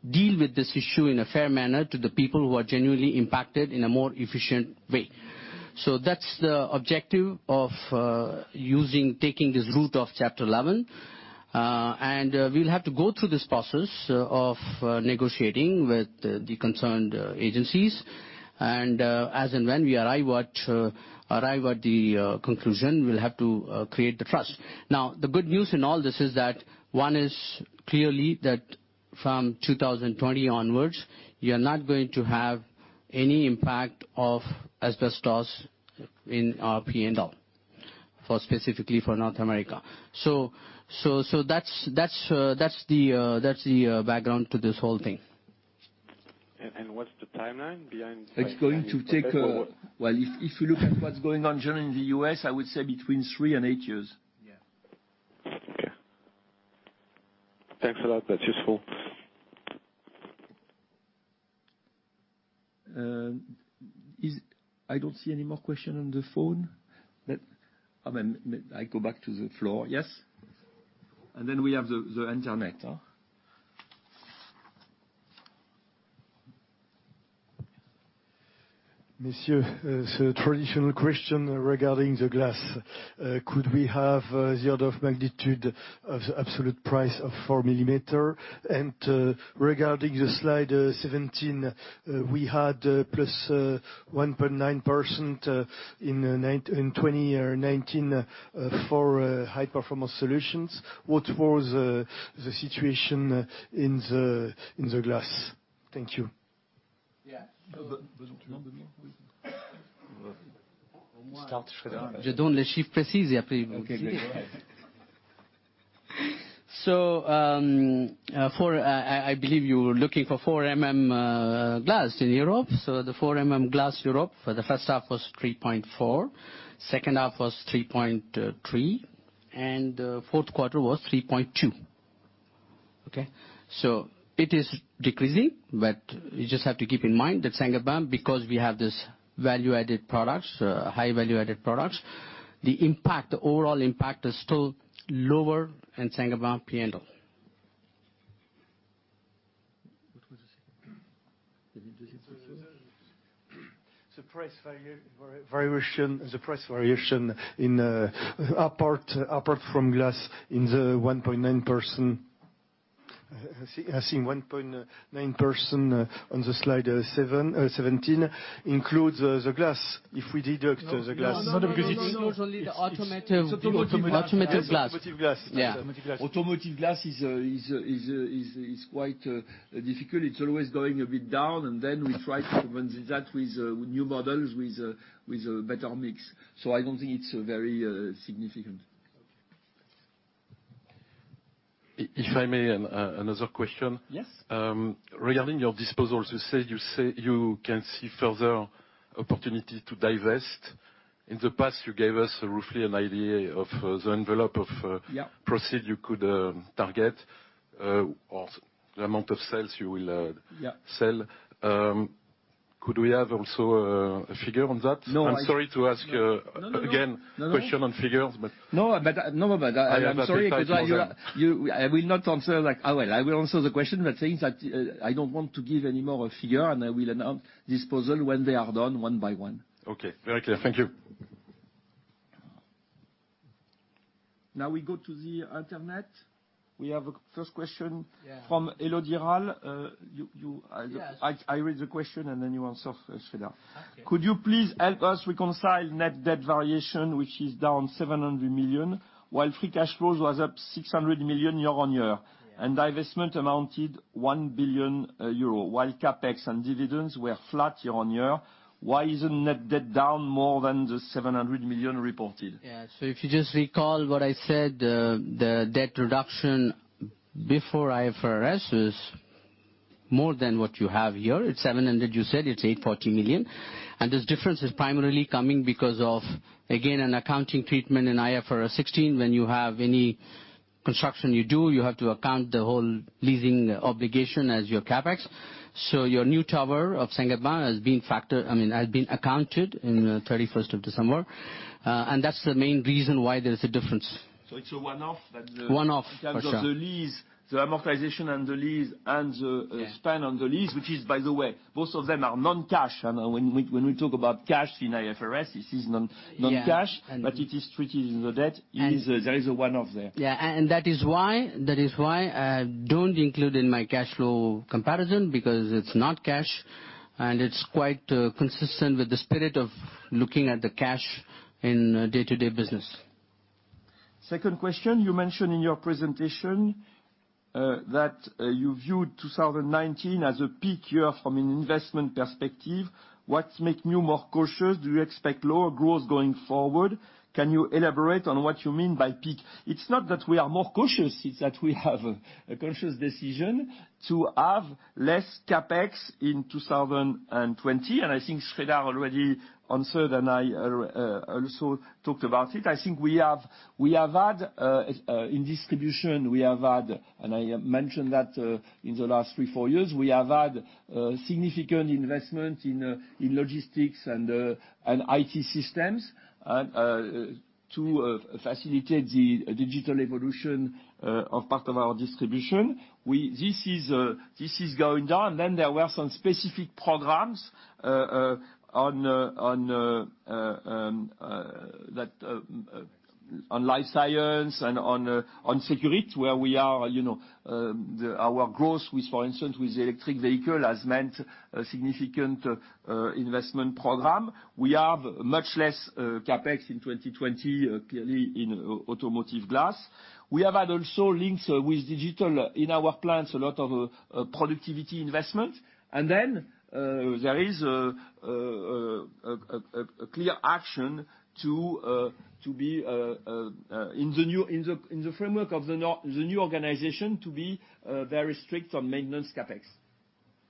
deal with this issue in a fair manner to the people who are genuinely impacted in a more efficient way. That's the objective of taking this route of Chapter 11. We'll have to go through this process of negotiating with the concerned agencies. As and when we arrive at the conclusion, we'll have to create the trust. Now, the good news in all this is that one is clearly that from 2020 onwards, we are not going to have any impact of asbestos in our P&L specifically for North America. That's the background to this whole thing. And what's the timeline behind- It's going to take, well, if you look at what's going on generally in the U.S., I would say between three and eight years. Yeah. Okay. Thanks a lot. That's useful. I don't see any more question on the phone. I go back to the floor. Yes. Then we have the internet. Monsieur, traditional question regarding the glass. Could we have the order of magnitude of the absolute price of 4 mm? Regarding the slide 17, we had plus 1.9% in 2020 or 2019 for High-Performance Solutions. What was the situation in the glass? Thank you. Yeah. Start, Sreedhar. I believe you were looking for 4 mm glass in Europe. The 4 mm glass Europe for the first half was 3.4, second half was 3.3, and fourth quarter was 3.2. Okay? It is decreasing, but you just have to keep in mind that Saint-Gobain, because we have this value-added products, high value-added products, the impact, overall impact is still lower in Saint-Gobain P&L. What was the second one? The price variation apart from glass in the 1.9%. I think 1.9% on the slide 17 includes the glass. If we deduct the glass. No. It's not because it's- No, it's only the automotive glass. Automotive glass. Yeah. Automotive glass is quite difficult. It's always going a bit down. We try to prevent that with new models with a better mix. I don't think it's very significant. Okay. Thanks. If I may, another question. Yes. Regarding your disposals, you said you can see further opportunity to divest. In the past, you gave us roughly an idea of the envelope proceed you could target, or the amount of sales you will sell. Yeah Could we have also a figure on that? No, I- I'm sorry to ask again. No Question on figures. No, I'm sorry because I will not answer like I will answer the question, but saying that I don't want to give any more figure, and I will announce disposal when they are done one by one. Okay. Very clear. Thank you. Now we go to the internet. We have a first question. Yeah From Elodie Rall. Yes. I read the question, and then you answer, Sreedhar. Okay. Could you please help us reconcile net debt variation, which is down 700 million, while free cash flow was up 600 million year-on-year. Yeah. Divestment amounted 1 billion euro, while CapEx and dividends were flat year on year. Why isn't net debt down more than the 700 million reported? If you just recall what I said, the debt reduction before IFRS is more than what you have here. It's 700 you said, it's 840 million. This difference is primarily coming because of, again, an accounting treatment in IFRS 16. When you have any construction you do, you have to account the whole leasing obligation as your CapEx. Your new tower of Saint-Gobain has been accounted in the 31st of December. That's the main reason why there is a difference. It's a one-off that the- One-off, for sure. In terms of the lease, the amortization and the lease. Yeah Spend on the lease, which is by the way, both of them are non-cash. When we talk about cash in IFRS, this is non-cash. Yeah It is treated in the debt. And- There is a one-off there. Yeah. That is why I don't include in my cash flow comparison, because it's not cash, and it's quite consistent with the spirit of looking at the cash in day-to-day business. Second question. You mentioned in your presentation that you viewed 2019 as a peak year from an investment perspective. What makes you more cautious? Do you expect lower growth going forward? Can you elaborate on what you mean by peak? It's not that we are more cautious, it's that we have a cautious decision to have less CapEx in 2020, and I think Sreedhar already answered, and I also talked about it. I think, in distribution, we have had, and I mentioned that in the last three, four years, we have had significant investment in logistics and IT systems to facilitate the digital evolution of part of our distribution. This is going down. There were some specific programs on life science and on Sekurit, where our growth with, for instance, with the electric vehicle, has meant a significant investment program. We have much less CapEx in 2020, clearly in automotive glass. We have had also links with digital in our plants, a lot of productivity investment. Then, there is a clear action to be, in the framework of the new organization, to be very strict on maintenance CapEx.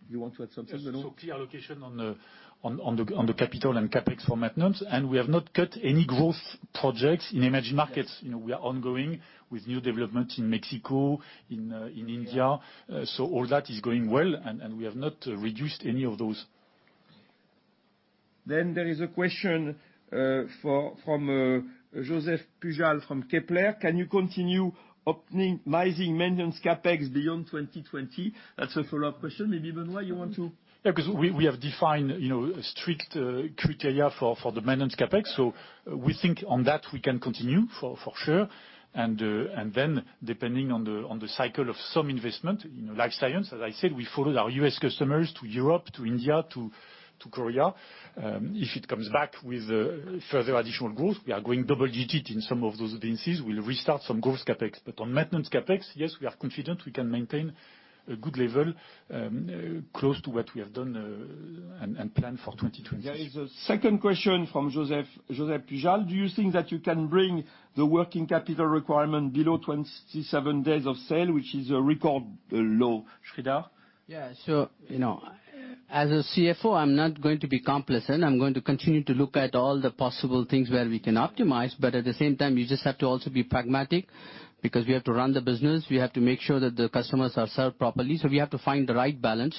Do you want to add something, Benoit? Yes. Clear allocation on the capital and CapEx for maintenance. We have not cut any growth projects in emerging markets. Yeah. We are ongoing with new development in Mexico, in India. Yeah. All that is going well, and we have not reduced any of those. There is a question from Josep Pujal from Kepler. Can you continue optimizing maintenance CapEx beyond 2020? That's a follow-up question. Maybe, Benoit, you want to? Because we have defined strict criteria for the maintenance CapEx. We think on that we can continue, for sure. Depending on the cycle of some investment in life science, as I said, we followed our U.S. customers to Europe, to India, to Korea. If it comes back with further additional growth, we are going double-digit in some of those businesses. We'll restart some growth CapEx. On maintenance CapEx, yes, we are confident we can maintain a good level, close to what we have done and planned for 2020. There is a second question from Josep Pujal. Do you think that you can bring the working capital requirement below 27 days of sale, which is a record low? Sreedhar? As a CFO, I'm not going to be complacent. I'm going to continue to look at all the possible things where we can optimize, but at the same time, you just have to also be pragmatic, because we have to run the business. We have to make sure that the customers are served properly. We have to find the right balance.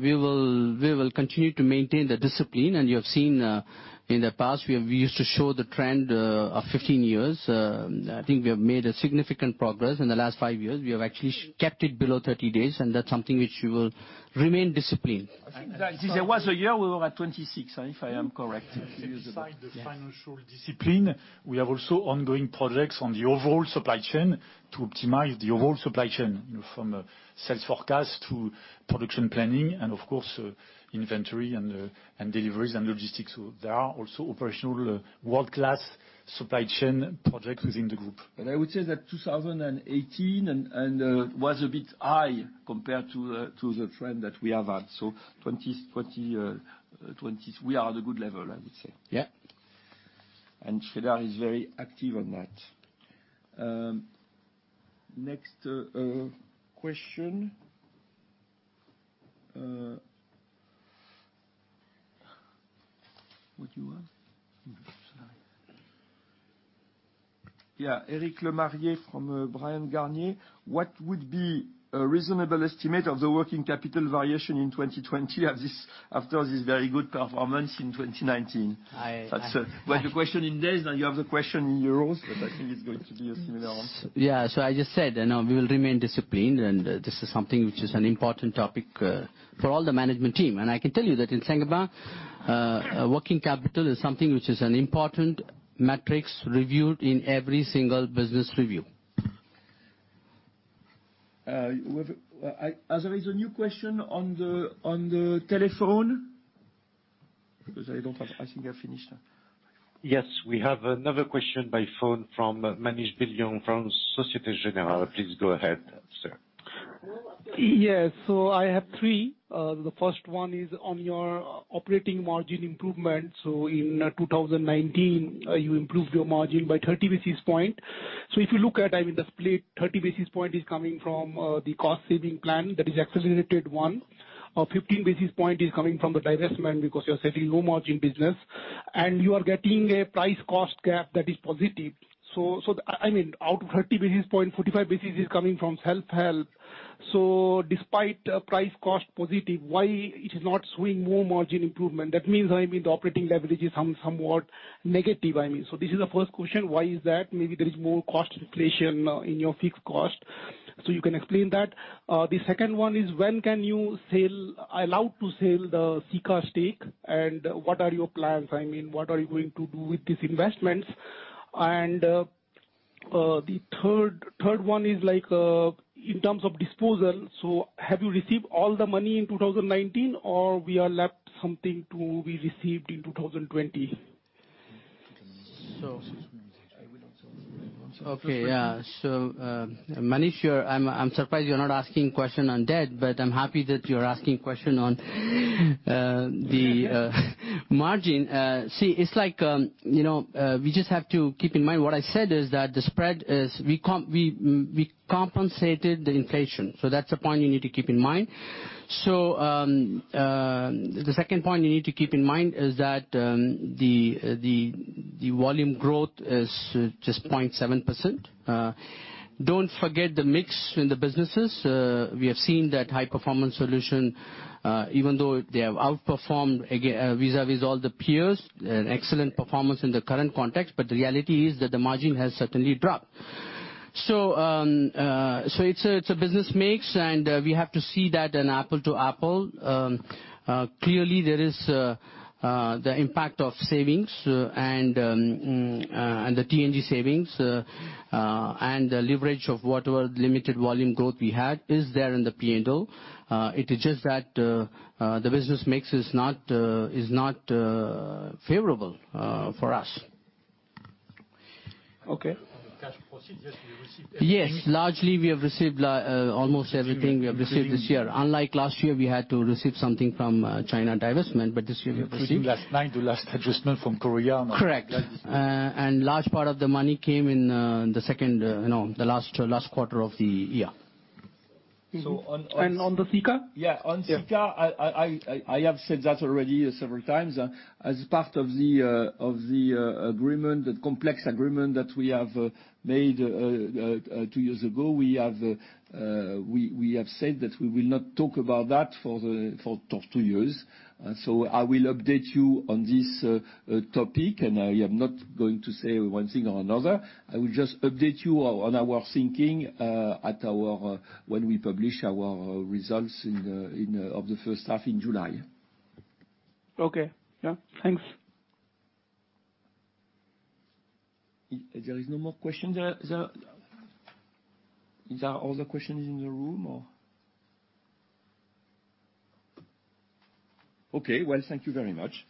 We will continue to maintain the discipline, and you have seen in the past, we used to show the trend of 15 years. I think we have made a significant progress in the last five years. We have actually kept it below 30 days, and that's something which we will remain disciplined. I think there was a year we were at 26, if I am correct. Beside the financial discipline, we have also ongoing projects on the overall supply chain to optimize the overall supply chain, from sales forecast to production planning and, of course, inventory and deliveries and logistics. There are also operational world-class supply chain projects within the group. I would say that 2018 was a bit high compared to the trend that we have had. 2020, we are at a good level, I would say. Yeah. Sreedhar is very active on that. Next question. What you want? Sorry. Yeah. Eric Lemarié from Bryan, Garnier. What would be a reasonable estimate of the working capital variation in 2020 after this very good performance in 2019? I- Well, the question in days, now you have the question in euros, but I think it's going to be a similar one. Yeah, I just said, we will remain disciplined, this is something which is an important topic for all the management team. I can tell you that in Saint-Gobain, working capital is something which is an important metric reviewed in every single business review. As there is a new question on the telephone, because I think I have finished. Yes, we have another question by phone from Manish Beria from Societe Generale. Please go ahead, sir. Yes, I have three. The first one is on your operating margin improvement. In 2019, you improved your margin by 30 basis points. If you look at the split, 30 basis points is coming from the cost-saving plan that is exacerbated one. 15 basis points is coming from the divestment because you're selling low margin business. You are getting a price cost gap that is positive. Out of 30 basis points, 45 basis points is coming from self help. Despite price cost positive, why it is not showing more margin improvement? That means, the operating leverage is somewhat negative. This is the first question, why is that? Maybe there is more cost inflation in your fixed cost, so you can explain that. The second one is, when can you be allowed to sell the Sika stake, and what are your plans? What are you going to do with these investments? The third one is, in terms of disposal, have you received all the money in 2019 or we are left something to be received in 2020? Okay. Yeah. Manish, I'm surprised you're not asking question on debt, but I'm happy that you're asking question on the margin. See, we just have to keep in mind, what I said is that we compensated the inflation. That's a point you need to keep in mind. The second point you need to keep in mind is that, the volume growth is just 0.7%. Don't forget the mix in the businesses. We have seen that High-Performance Solutions, even though they have outperformed vis-à-vis all the peers, an excellent performance in the current context, but the reality is that the margin has certainly dropped. It's a business mix, and we have to see that an apple to apple. Clearly, there is the impact of savings and the T&G savings, and the leverage of whatever limited volume growth we had is there in the P&L. It is just that the business mix is not favorable for us. Okay. On the cash proceeds, yes, we received everything. Yes, largely we have received almost everything. We have received this year. Unlike last year, we had to receive something from China divestment, but this year we have received. Including last nine to last adjustment from Korea. Correct. Large part of the money came in the second, the last quarter of the year. So on the Sika? Yeah. On Sika, I have said that already several times. As part of the agreement, that complex agreement that we have made two years ago, we have said that we will not talk about that for two years. I will update you on this topic, and I am not going to say one thing or another. I will just update you on our thinking when we publish our results of the first half in July. Okay. Yeah. Thanks. There is no more question? Is that all the questions in the room or Okay? Well, thank you very much.